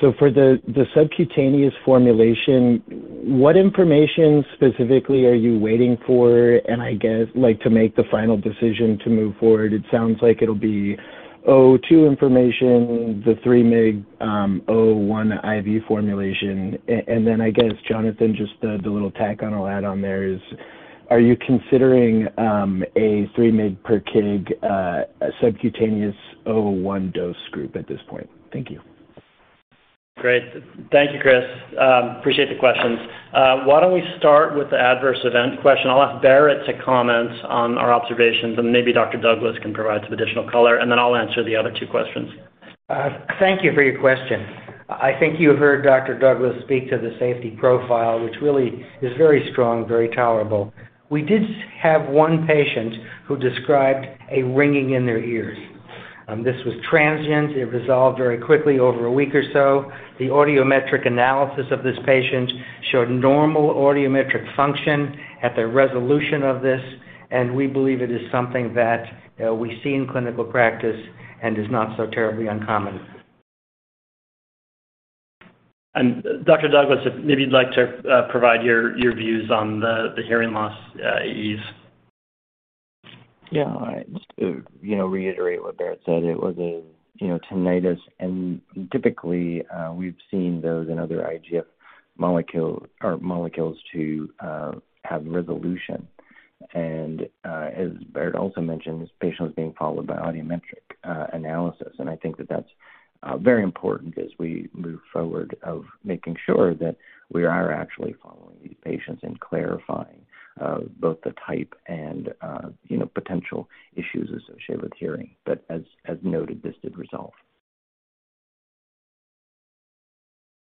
For the subcutaneous formulation, what information specifically are you waiting for? And I guess, like, to make the final decision to move forward, it sounds like it'll be VRDN-002 information, the 3 mg 001 IV formulation. I guess, Jonathan, just the little tack on or add on there is, are you considering a 3 mg per kg subcutaneous VRDN-001 dose group at this point? Thank you. Great. Thank you, Chris. Appreciate the questions. Why don't we start with the adverse event question. I'll ask Barrett to comment on our observations, and maybe Dr. Douglas can provide some additional color, and then I'll answer the other two questions. Thank you for your question. I think you heard Dr. Douglas speak to the safety profile, which really is very strong, very tolerable. We did have one patient who described a ringing in their ears. This was transient. It resolved very quickly over a week or so. The audiometric analysis of this patient showed normal audiometric function at the resolution of this, and we believe it is something that, we see in clinical practice and is not so terribly uncommon. Dr. Douglas, if maybe you'd like to provide your views on the hearing loss AEs. Yeah. Just to, you know, reiterate what Barrett said. It was a, you know, tinnitus and typically, we've seen those in other IGF molecule or molecules too have resolution. As Barrett also mentioned, this patient is being followed by audiometric analysis. I think that that's very important as we move forward of making sure that we are actually following these patients and clarifying both the type and, you know, potential issues associated with hearing. As noted, this did resolve.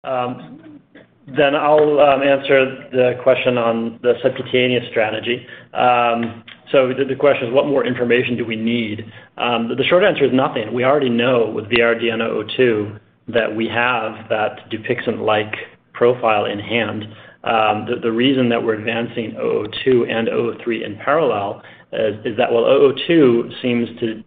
I'll answer the question on the subcutaneous strategy. The question is, what more information do we need? The short answer is nothing. We already know with the VRDN-002 that we have that Dupixent-like profile in hand. The reason that we're advancing 002 and 003 in parallel is that while 002 seems to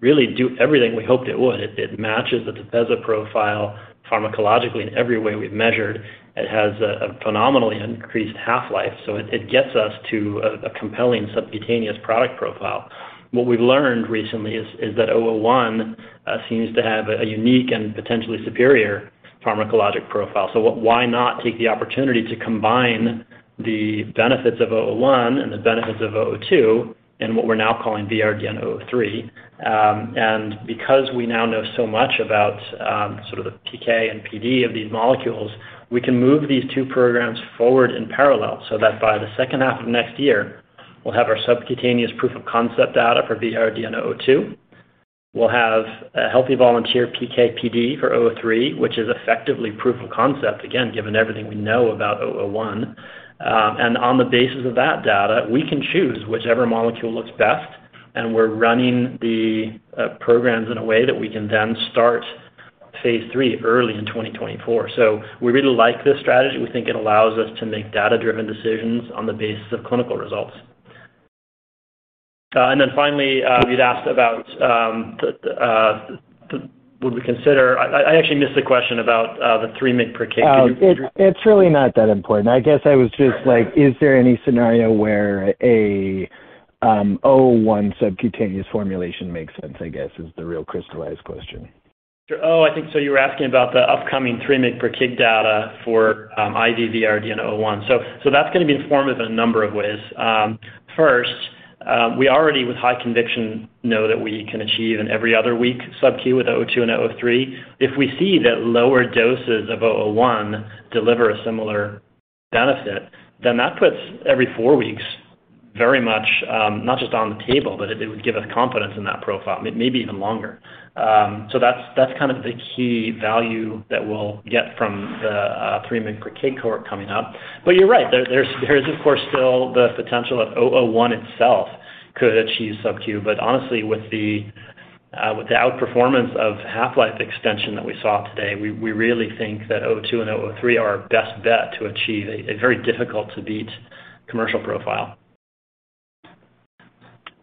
really do everything we hoped it would, it matches the TEPEZZA profile pharmacologically in every way we've measured. It has a phenomenally increased half-life, so it gets us to a compelling subcutaneous product profile. What we've learned recently is that 001 seems to have a unique and potentially superior pharmacologic profile. Why not take the opportunity to combine the benefits of 001 and the benefits of 002 in what we're now calling VRDN-003? Because we now know so much about sort of the PK and PD of these molecules, we can move these two programs forward in parallel so that by the second half of next year, we'll have our subcutaneous proof-of-concept data for VRDN-002. We'll have a healthy volunteer PK/PD for VRDN-003, which is effectively proof of concept, again, given everything we know about VRDN-001. On the basis of that data, we can choose whichever molecule looks best, and we're running the programs in a way that we can then start phase III early in 2024. We really like this strategy. We think it allows us to make data-driven decisions on the basis of clinical results. You'd asked about the... I actually missed the question about the 3 mg per kg. It's really not that important. I guess I was just like, is there any scenario where a 001 subcutaneous formulation makes sense, I guess, is the real crystallized question. I think so you're asking about the upcoming 3 mg per kg data for IV VRDN-001. That's gonna be informative in a number of ways. First, we already with high conviction know that we can achieve in every other week subQ with 002 and 003. If we see that lower doses of 001 deliver a similar benefit, then that puts every four weeks very much not just on the table, but it would give us confidence in that profile, maybe even longer. That's kind of the key value that we'll get from the 3 mg per kg cohort coming up. You're right. There's of course still the potential of 001 itself could achieve subQ. Honestly, with the outperformance of half-life extension that we saw today, we really think that VRDN-002 and VRDN-003 are our best bet to achieve a very difficult to beat commercial profile.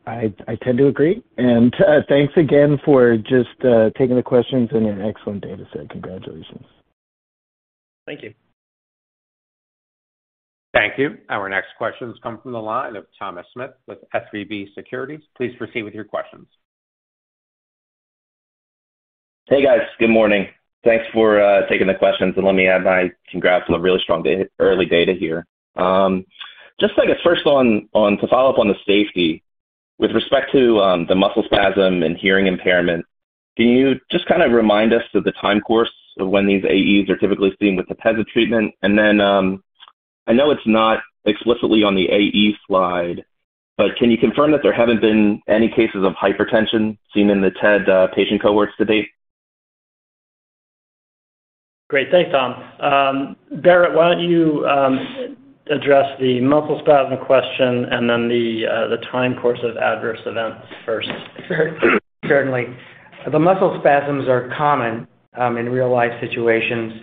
I tend to agree. Thanks again for just taking the questions and your excellent data set. Congratulations. Thank you. Thank you. Our next questions come from the line of Thomas Smith with SVB Securities. Please proceed with your questions. Hey, guys. Good morning. Thanks for taking the questions. Let me add my congrats on the really strong early data here. Just I guess first on to follow up on the safety, with respect to the muscle spasm and hearing impairment, can you just kinda remind us of the time course of when these AEs are typically seen with TEPEZZA treatment? Then, I know it's not explicitly on the AE slide, but can you confirm that there haven't been any cases of hypertension seen in the TED patient cohorts to date? Great. Thanks, Tom. Barrett, why don't you address the muscle spasm question and then the time course of adverse events first? Sure. Certainly. The muscle spasms are common in real-life situations.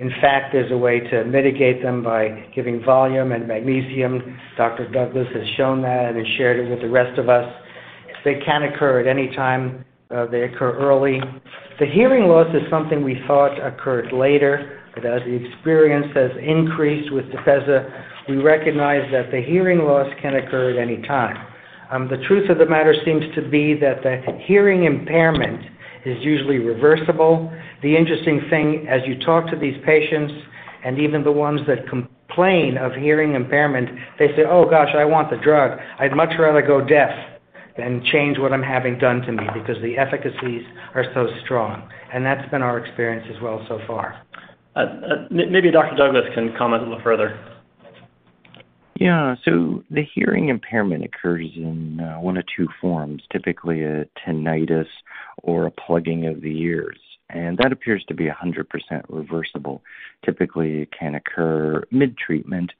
In fact, there's a way to mitigate them by giving volume and magnesium. Dr. Douglas has shown that and shared it with the rest of us. They can occur at any time. They occur early. The hearing loss is something we thought occurred later, but as the experience has increased with TEPEZZA, we recognize that the hearing loss can occur at any time. The truth of the matter seems to be that the hearing impairment is usually reversible. The interesting thing, as you talk to these patients and even the ones that complain of hearing impairment, they say, "Oh, gosh, I want the drug. I'd much rather go deaf than change what I'm having done to me," because the efficacies are so strong. That's been our experience as well so far. Maybe Dr. Douglas can comment a little further. Yeah. The hearing impairment occurs in one of two forms, typically a tinnitus or a plugging of the ears, and that appears to be 100% reversible. Typically, it can occur mid-treatment,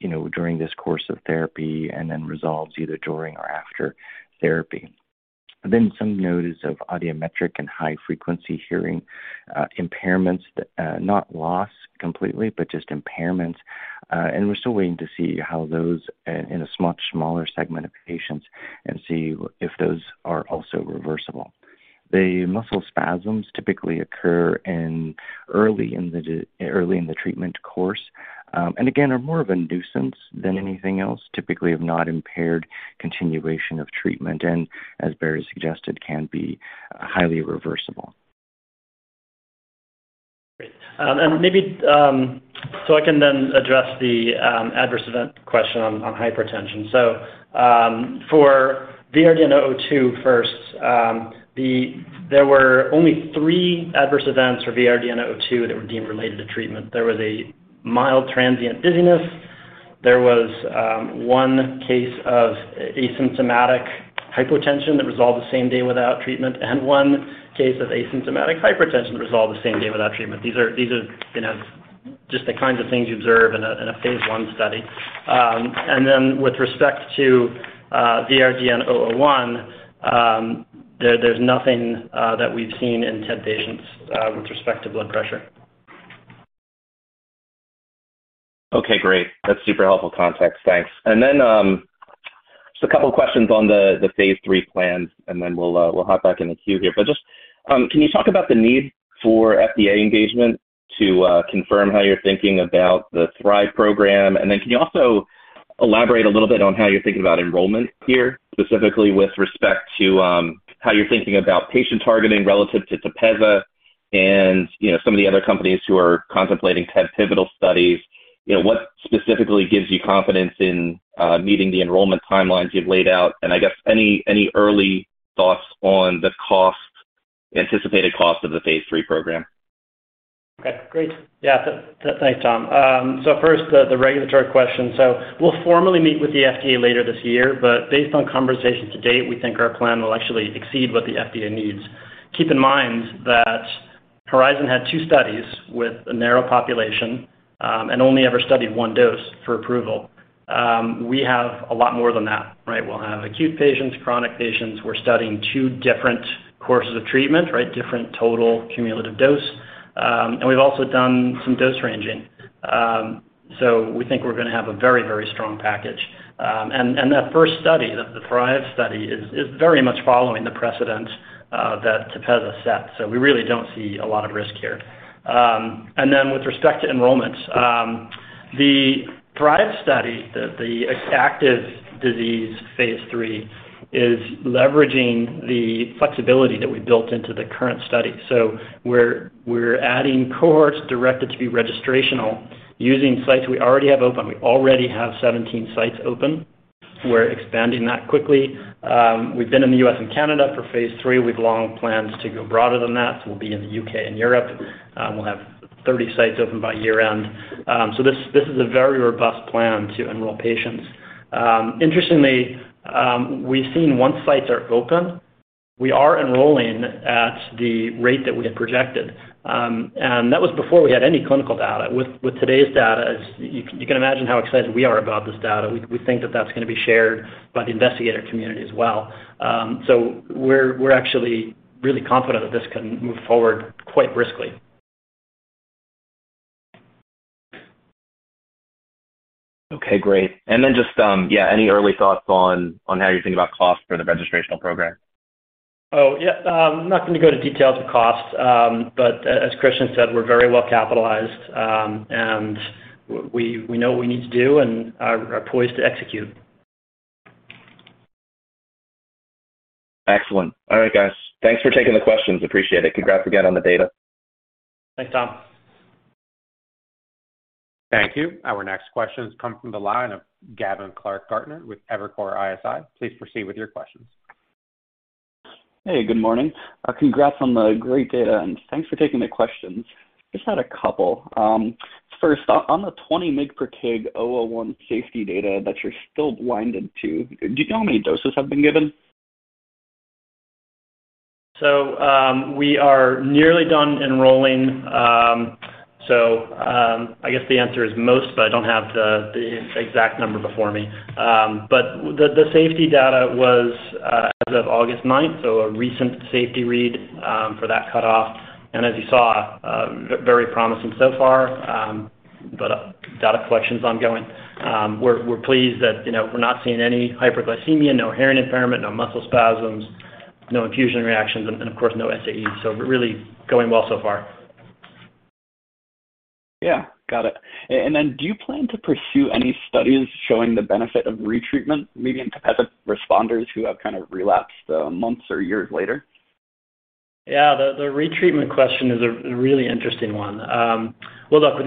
you know, during this course of therapy and then resolves either during or after therapy. Some notice of audiometric and high-frequency hearing impairments, not loss completely, but just impairments. We're still waiting to see how those in a much smaller segment of patients and see if those are also reversible. The muscle spasms typically occur early in the treatment course, and again, are more of a nuisance than anything else, typically have not impaired continuation of treatment, and as Barrett suggested, can be highly reversible. Great. Maybe so I can then address the adverse event question on hypertension. For VRDN-002 first, there were only three adverse events for VRDN-002 that were deemed related to treatment. There was a mild transient dizziness. There was one case of asymptomatic hypotension that resolved the same day without treatment, and one case of asymptomatic hypertension resolved the same day without treatment. These are, you know, just the kinds of things you observe in a phase I study. With respect to VRDN-001, there's nothing that we've seen in 10 patients with respect to blood pressure. Okay, great. That's super helpful context. Thanks. Just a couple of questions on the phase III plans, and then we'll hop back in the queue here. Can you talk about the need for FDA engagement to confirm how you're thinking about the THRIVE program? Can you also elaborate a little bit on how you're thinking about enrollment here, specifically with respect to how you're thinking about patient targeting relative to TEPEZZA and, you know, some of the other companies who are contemplating TED pivotal studies? You know, what specifically gives you confidence in meeting the enrollment timelines you've laid out? I guess any early thoughts on the cost, anticipated cost of the phase III program? Okay, great. Yeah. Thanks, Tom. First, the regulatory question. We'll formally meet with the FDA later this year, but based on conversations to date, we think our plan will actually exceed what the FDA needs. Keep in mind that Horizon had two studies with a narrow population, and only ever studied one dose for approval. We have a lot more than that, right? We'll have acute patients, chronic patients. We're studying two different courses of treatment, right? Different total cumulative dose. And we've also done some dose ranging. We think we're gonna have a very, very strong package. And that first study, the THRIVE study is very much following the precedent that TEPEZZA set. We really don't see a lot of risk here. With respect to enrollments, the THRIVE study, the active disease phase III is leveraging the flexibility that we built into the current study. We're adding cohorts directed to be registrational using sites we already have open. We already have 17 sites open. We're expanding that quickly. We've been in the U.S. and Canada for phase III. We've long planned to go broader than that, so we'll be in the U.K. and Europe. We'll have 30 sites open by year-end. This is a very robust plan to enroll patients. Interestingly, we've seen once sites are open, we are enrolling at the rate that we had projected. That was before we had any clinical data. With today's data, as you can imagine how excited we are about this data. We think that that's gonna be shared by the investigator community as well. We're actually really confident that this can move forward quite briskly. Okay, great. Just, yeah, any early thoughts on how you think about cost for the registrational program? Oh, yeah. I'm not gonna go to details of cost. But as Kristian said, we're very well capitalized. We know what we need to do and are poised to execute. Excellent. All right, guys. Thanks for taking the questions. Appreciate it. Congrats again on the data. Thanks, Tom. Thank you. Our next question comes from the line of Gavin Clark-Gartner with Evercore ISI. Please proceed with your questions. Hey, good morning. Congrats on the great data, and thanks for taking the questions. Just had a couple. First, on the 20 mg per kg VRDN-001 safety data that you're still blinded to, do you know how many doses have been given? We are nearly done enrolling. I guess the answer is most, but I don't have the exact number before me. The safety data was as of August 9th, so a recent safety read for that cutoff. As you saw, very promising so far, but data collection's ongoing. We're pleased that, you know, we're not seeing any hyperglycemia, no hearing impairment, no muscle spasms, no infusion reactions, and of course, no SAEs. Really going well so far. Yeah. Got it. Do you plan to pursue any studies showing the benefit of retreatment, maybe in TEPEZZA responders who have kind of relapsed, months or years later? Yeah, the retreatment question is a really interesting one. Well, look,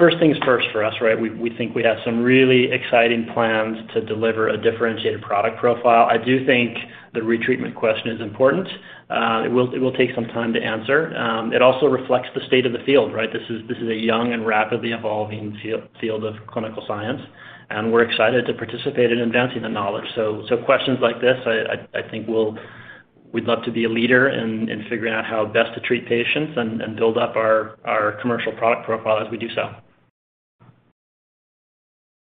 first things first for us, right? We think we have some really exciting plans to deliver a differentiated product profile. I do think the retreatment question is important. It will take some time to answer. It also reflects the state of the field, right? This is a young and rapidly evolving field of clinical science, and we're excited to participate in advancing the knowledge. Questions like this, I think we'd love to be a leader in figuring out how best to treat patients and build up our commercial product profile as we do so.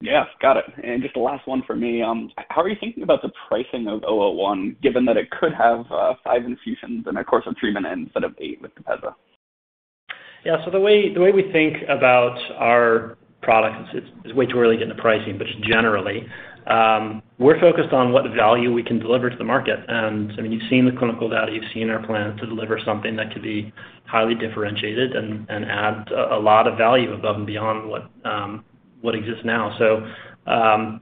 Yeah. Got it. Just the last one for me. How are you thinking about the pricing of VRDN-001, given that it could have five infusions in a course of treatment instead of 8 with TEPEZZA? The way we think about our product, it's way too early to get into pricing, but generally, we're focused on what value we can deliver to the market. I mean, you've seen the clinical data, you've seen our plan to deliver something that could be highly differentiated and add a lot of value above and beyond what exists now.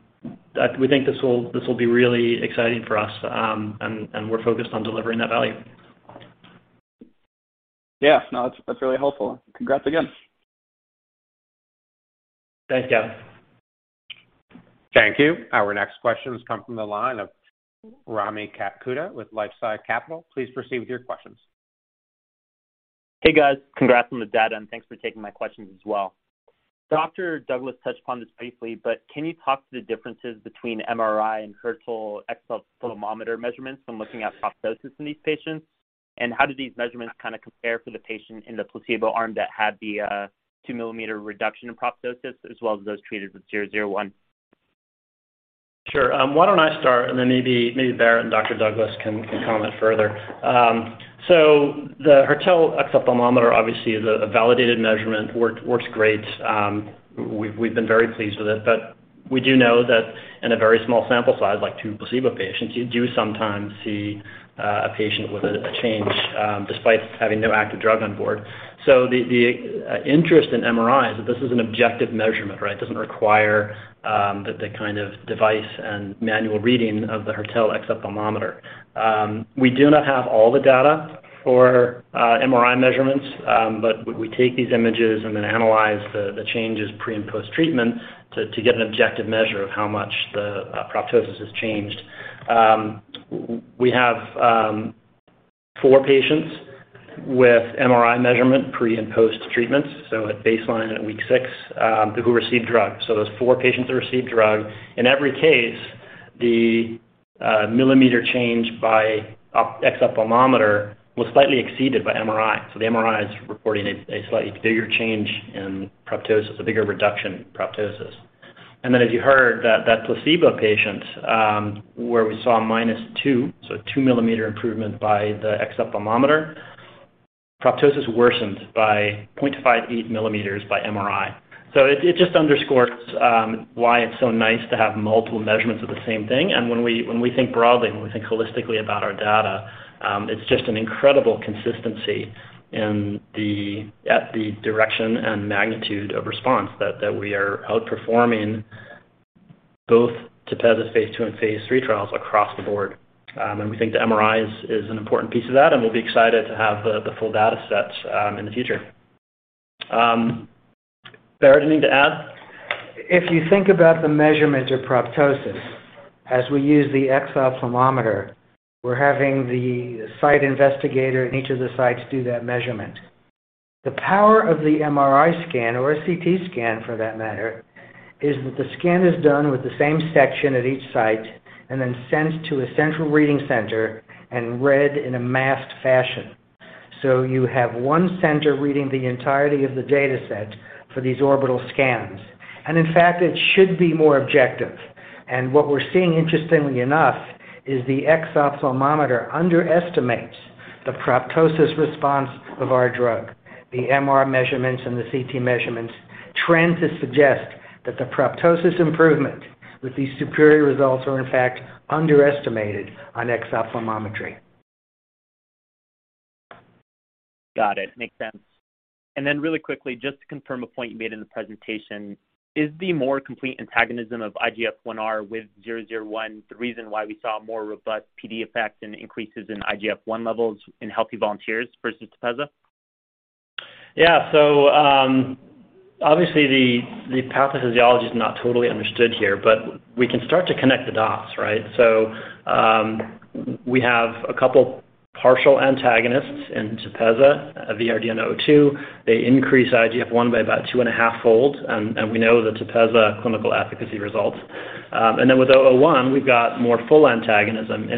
We think this will be really exciting for us. We're focused on delivering that value. Yeah. No, that's really helpful. Congrats again. Thanks, Gavin. Thank you. Our next question comes from the line of Rami Katkhuda with LifeSci Capital. Please proceed with your questions. Hey, guys. Congrats on the data, and thanks for taking my questions as well. Dr. Douglas touched upon this briefly, but can you talk to the differences between MRI and Hertel exophthalmometer measurements when looking at proptosis in these patients? How do these measurements kind of compare for the patient in the placebo arm that had the 2 millimeter reduction in proptosis, as well as those treated with VRDN-001? Sure. Why don't I start and then maybe Barrett Katz and Dr. Raymond Douglas can comment further. The Hertel exophthalmometer obviously is a validated measurement. Works great. We've been very pleased with it. But we do know that in a very small sample size, like two placebo patients, you do sometimes see a patient with a change despite having no active drug on board. The interest in MRI is that this is an objective measurement, right? It doesn't require the kind of device and manual reading of the Hertel exophthalmometer. We do not have all the data for MRI measurements, but we take these images and then analyze the changes pre- and post-treatment to get an objective measure of how much the proptosis has changed. We have four patients with MRI measurement pre and post-treatment, so at baseline and at week six, who received drug. Those four patients that received drug, in every case, the mm change by exophthalmometer was slightly exceeded by MRI. The MRI is reporting a slightly bigger change in proptosis, a bigger reduction in proptosis. As you heard, that placebo patient, where we saw -2, so 2 mm improvement by the exophthalmometer, proptosis worsened by 0.58 mm by MRI. It just underscores why it's so nice to have multiple measurements of the same thing. When we think broadly, when we think holistically about our data, it's just an incredible consistency in the at the direction and magnitude of response that we are outperforming both TEPEZZA's phase II and phase III trials across the board. We think the MRI is an important piece of that, and we'll be excited to have the full data sets in the future. Barrett, anything to add? If you think about the measurement of proptosis, as we use the exophthalmometer, we're having the site investigator in each of the sites do that measurement. The power of the MRI scan or a CT scan for that matter, is that the scan is done with the same section at each site and then sent to a central reading center and read in a masked fashion. You have one center reading the entirety of the dataset for these orbital scans. In fact, it should be more objective. What we're seeing, interestingly enough, is the exophthalmometer underestimates the proptosis response of our drug. The MR measurements and the CT measurements trend to suggest that the proptosis improvement with these superior results are in fact underestimated on exophthalmometry. Got it. Makes sense. Really quickly, just to confirm a point you made in the presentation, is the more complete antagonism of IGF-1R with 001 the reason why we saw more robust PD effects and increases in IGF-1 levels in healthy volunteers versus TEPEZZA? Yeah. Obviously the pathophysiology is not totally understood here, but we can start to connect the dots, right? We have a couple partial antagonists, TEPEZZA and VRDN-002. They increase IGF-1 by about 2.5-fold, and we know the TEPEZZA clinical efficacy results. With VRDN-001, we've got more full antagonism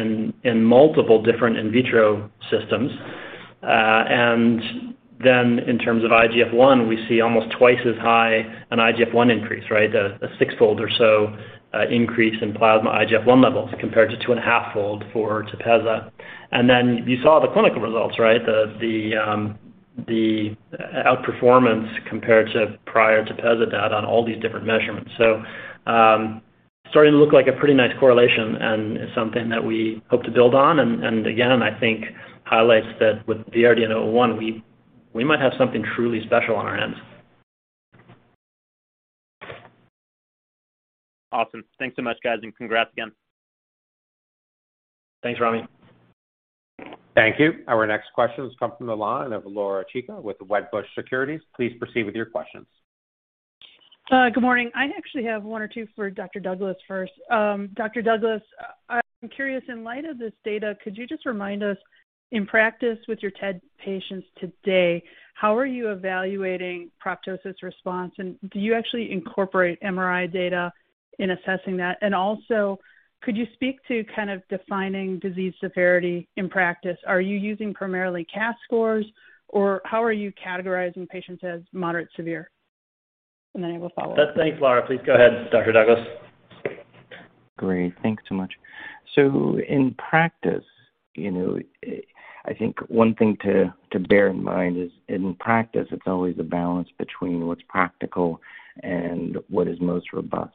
in multiple different in vitro systems. In terms of IGF-1, we see almost twice as high an IGF-1 increase, right? A six-fold or so increase in plasma IGF-1 levels compared to 2.5-fold for TEPEZZA. You saw the clinical results, right? The outperformance compared to prior TEPEZZA data on all these different measurements. Starting to look like a pretty nice correlation and is something that we hope to build on and again, I think highlights that with VRDN-001, we might have something truly special on our hands. Awesome. Thanks so much, guys, and congrats again. Thanks, Rami. Thank you. Our next question has come from the line of Laura Chico with Wedbush Securities. Please proceed with your questions. Good morning. I actually have one or two for Dr. Douglas first. Dr. Douglas, I'm curious, in light of this data, could you just remind us in practice with your TED patients today, how are you evaluating proptosis response? And do you actually incorporate MRI data in assessing that? And also, could you speak to kind of defining disease severity in practice? Are you using primarily CAS scores, or how are you categorizing patients as moderate severe? And then I will follow up. Thanks, Laura. Please go ahead, Dr. Douglas. Great. Thanks so much. In practice, you know, I think one thing to bear in mind is in practice, it's always a balance between what's practical and what is most robust.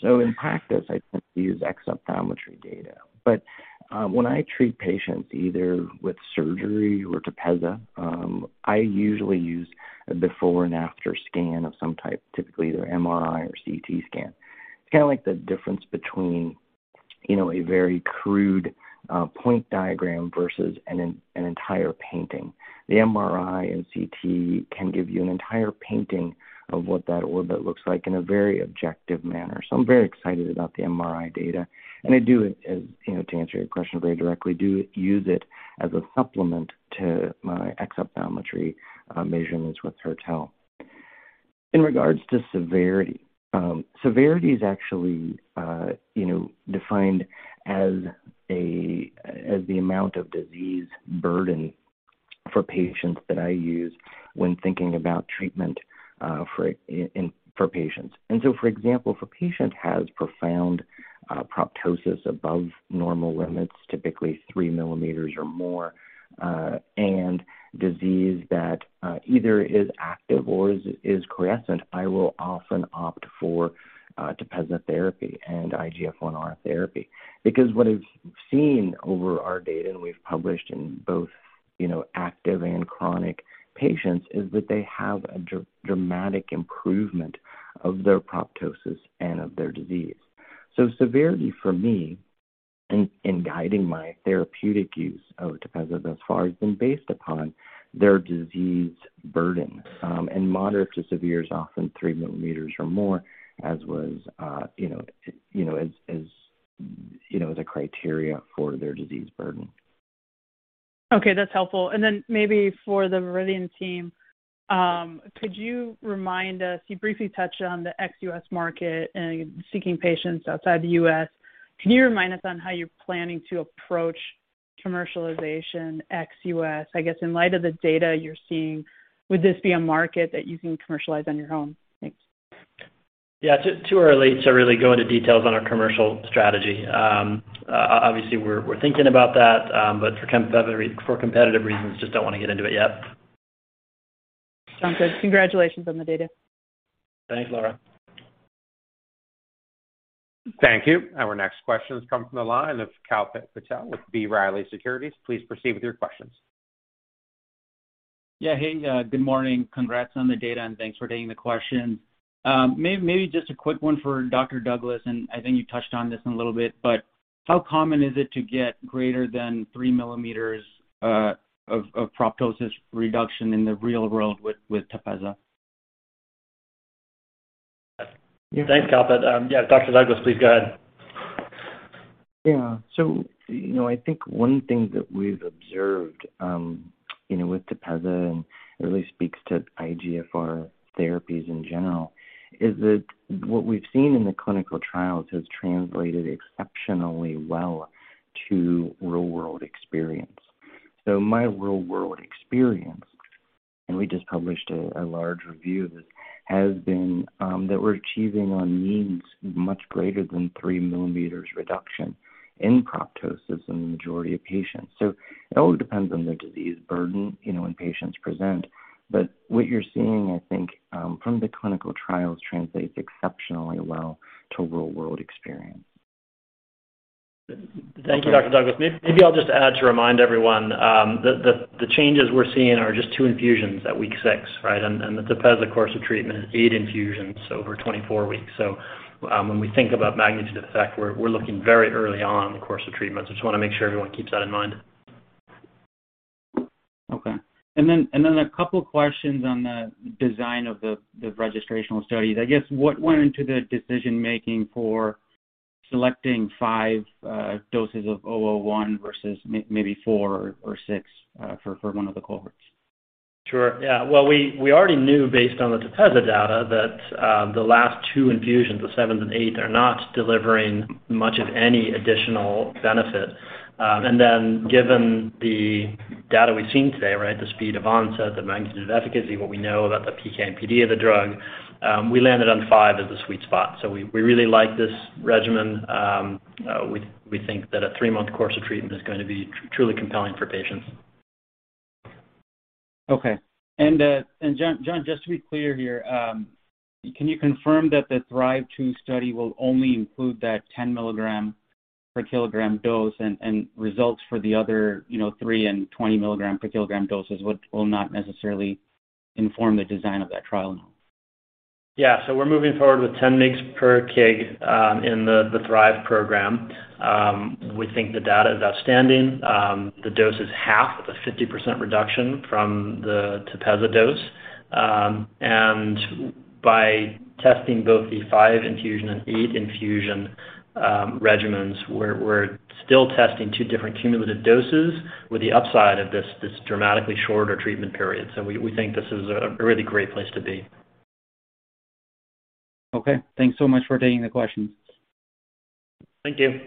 In practice, I use exophthalmometry data. When I treat patients either with surgery or TEPEZZA, I usually use a before and after scan of some type, typically either MRI or CT scan. It's kinda like the difference between, you know, a very crude point diagram versus an entire painting. The MRI and CT can give you an entire painting of what that orbit looks like in a very objective manner. I'm very excited about the MRI data. I do, as you know, to answer your question very directly, do use it as a supplement to my exophthalmometry measurements with Hertel. In regards to severity is actually you know defined as the amount of disease burden for patients that I use when thinking about treatment for patients. For example, if a patient has profound proptosis above normal limits, typically 3 millimeters or more, and disease that either is active or is quiescent, I will often opt for TEPEZZA therapy and IGF-I therapy. Because what I've seen over our data, and we've published in both, you know, active and chronic patients, is that they have a dramatic improvement of their proptosis and of their disease. Severity for me in guiding my therapeutic use of TEPEZZA thus far has been based upon their disease burden, and moderate to severe is often 3 millimeters or more, as was, you know, as you know, the criteria for their disease burden. Okay, that's helpful. Maybe for the Viridian team, could you remind us, you briefly touched on the ex-U.S. market and seeking patients outside the U.S.. Can you remind us on how you're planning to approach commercialization ex-U.S.? I guess in light of the data you're seeing, would this be a market that you can commercialize on your own? Thanks. Yeah. Too early to really go into details on our commercial strategy. Obviously, we're thinking about that, but for competitive reasons, just don't wanna get into it yet. Sounds good. Congratulations on the data. Thanks, Laura. Thank you. Our next question has come from the line of Kalpit Patel with B. Riley Securities. Please proceed with your questions. Yeah. Hey, good morning. Congrats on the data, and thanks for taking the question. Maybe just a quick one for Dr. Douglas, and I think you touched on this a little bit, but how common is it to get greater than 3 millimeters of proptosis reduction in the real world with TEPEZZA? Thanks, Kalpit. Yeah, Dr. Douglas, please go ahead. Yeah. You know, I think one thing that we've observed, you know, with TEPEZZA and really speaks to IGF-1R therapies in general is that what we've seen in the clinical trials has translated exceptionally well to real-world experience. My real-world experience, and we just published a large review of it, has been that we're achieving on average much greater than 3 millimeters reduction in proptosis in the majority of patients. It all depends on their disease burden, you know, when patients present. What you're seeing, I think, from the clinical trials translates exceptionally well to real-world experience. Thank you, Dr. Douglas. Maybe I'll just add to remind everyone, the changes we're seeing are just two infusions at week six, right? The TEPEZZA course of treatment is eight infusions over 24 weeks. When we think about magnitude effect, we're looking very early on in the course of treatment. Just wanna make sure everyone keeps that in mind. Okay. A couple questions on the design of the registrational studies. I guess what went into the decision-making for selecting five doses of VRDN-001 versus maybe four or six for one of the cohorts? Sure. Yeah. Well, we already knew based on the TEPEZZA data that the last two infusions, the seventh and eighth, are not delivering much of any additional benefit. Then given the data we've seen today, right? The speed of onset, the magnitude of efficacy, what we know about the PK and PD of the drug, we landed on five as the sweet spot. We really like this regimen. We think that a three-month course of treatment is gonna be truly compelling for patients. Okay. Jonathan, just to be clear here, can you confirm that the THRIVE-2 study will only include that 10 milligram per kilogram dose and results for the other, you know, three and 20 milligram per kilogram doses will not necessarily inform the design of that trial? Yeah. We're moving forward with 10 mg per kg in the THRIVE program. We think the data is outstanding. The dose is half of a 50% reduction from the TEPEZZA dose. By testing both the five infusion and eight infusion regimens, we're still testing two different cumulative doses with the upside of this dramatically shorter treatment period. We think this is a really great place to be. Okay. Thanks so much for taking the questions. Thank you.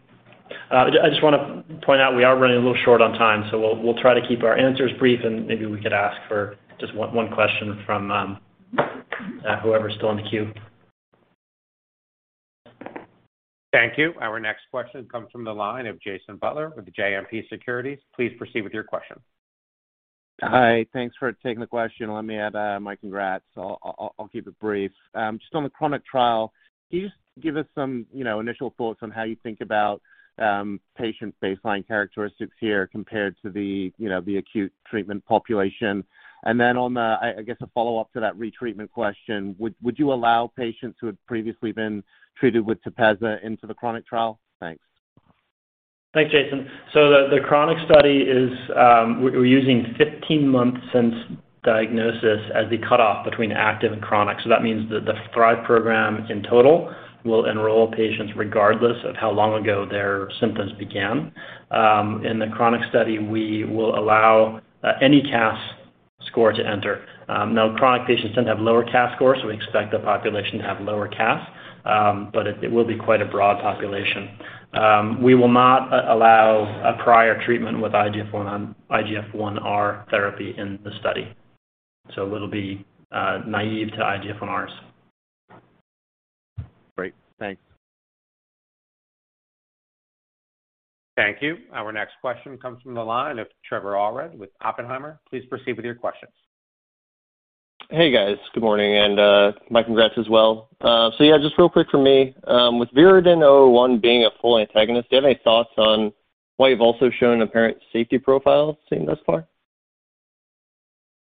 I just wanna point out we are running a little short on time, so we'll try to keep our answers brief and maybe we could ask for just one question from whoever's still in the queue. Thank you. Our next question comes from the line of Jason Butler with JMP Securities. Please proceed with your question. Hi. Thanks for taking the question. Let me add my congrats. I'll keep it brief. Just on the chronic trial, can you just give us some, you know, initial thoughts on how you think about patients' baseline characteristics here compared to the, you know, the acute treatment population? Then, I guess a follow-up to that retreatment question, would you allow patients who have previously been treated with TEPEZZA into the chronic trial? Thanks. Thanks, Jason. The chronic study is, we're using 15 months since diagnosis as the cutoff between active and chronic. That means that the THRIVE program in total will enroll patients regardless of how long ago their symptoms began. In the chronic study, we will allow any CAS score to enter. Now chronic patients tend to have lower CAS scores, so we expect the population to have lower CAS, but it will be quite a broad population. We will not allow a prior treatment with IGF-1R therapy in the study. It'll be naive to IGF-1Rs. Great. Thanks. Thank you. Our next question comes from the line of Trevor Allred with Oppenheimer. Please proceed with your questions. Hey, guys. Good morning and, my congrats as well. Yeah, just real quick from me. With VRDN-001 being a full antagonist, do you have any thoughts on why you've also shown apparent safety profiles seen thus far?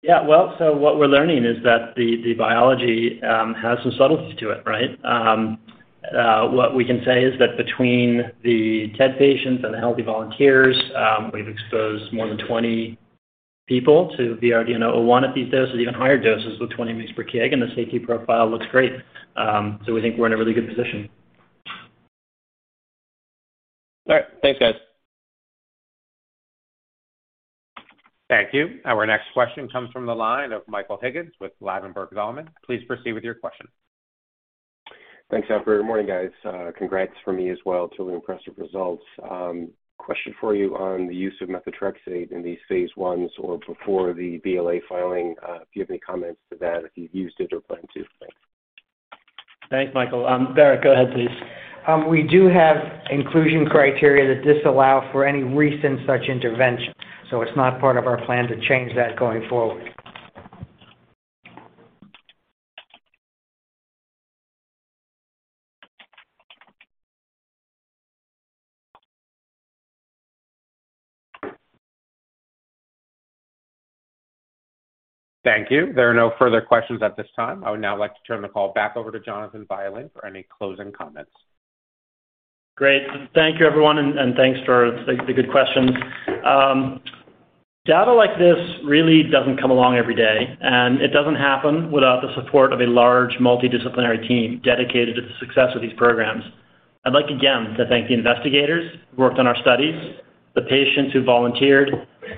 Yeah. Well, what we're learning is that the biology has some subtleties to it, right? What we can say is that between the TED patients and the healthy volunteers, we've exposed more than 20 people to VRDN-001 at these doses, even higher doses with 20 mg per kg, and the safety profile looks great. We think we're in a really good position. All right. Thanks, guys. Thank you. Our next question comes from the line of Michael Higgins with Ladenburg Thalmann. Please proceed with your question. Thanks, operator. Morning, guys. Congrats from me as well. It's really impressive results. Question for you on the use of methotrexate in these phase Is or before the BLA filing. If you have any comments to that, if you've used it or plan to. Thanks. Thanks, Michael. Barrett, go ahead, please. We do have inclusion criteria that disallow for any recent such intervention. It's not part of our plan to change that going forward. Thank you. There are no further questions at this time. I would now like to turn the call back over to Jonathan Violin for any closing comments. Great. Thank you, everyone, and thanks for the good questions. Data like this really doesn't come along every day, and it doesn't happen without the support of a large multidisciplinary team dedicated to the success of these programs. I'd like again to thank the investigators who worked on our studies, the patients who volunteered,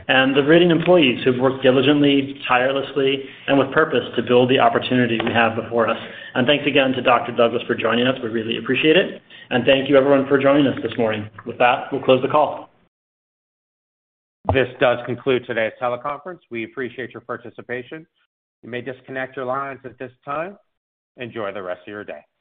and the Viridian employees who've worked diligently, tirelessly, and with purpose to build the opportunity we have before us. Thanks again to Dr. Douglas for joining us. We really appreciate it, and thank you everyone for joining us this morning. With that, we'll close the call. This does conclude today's teleconference. We appreciate your participation. You may disconnect your lines at this time. Enjoy the rest of your day.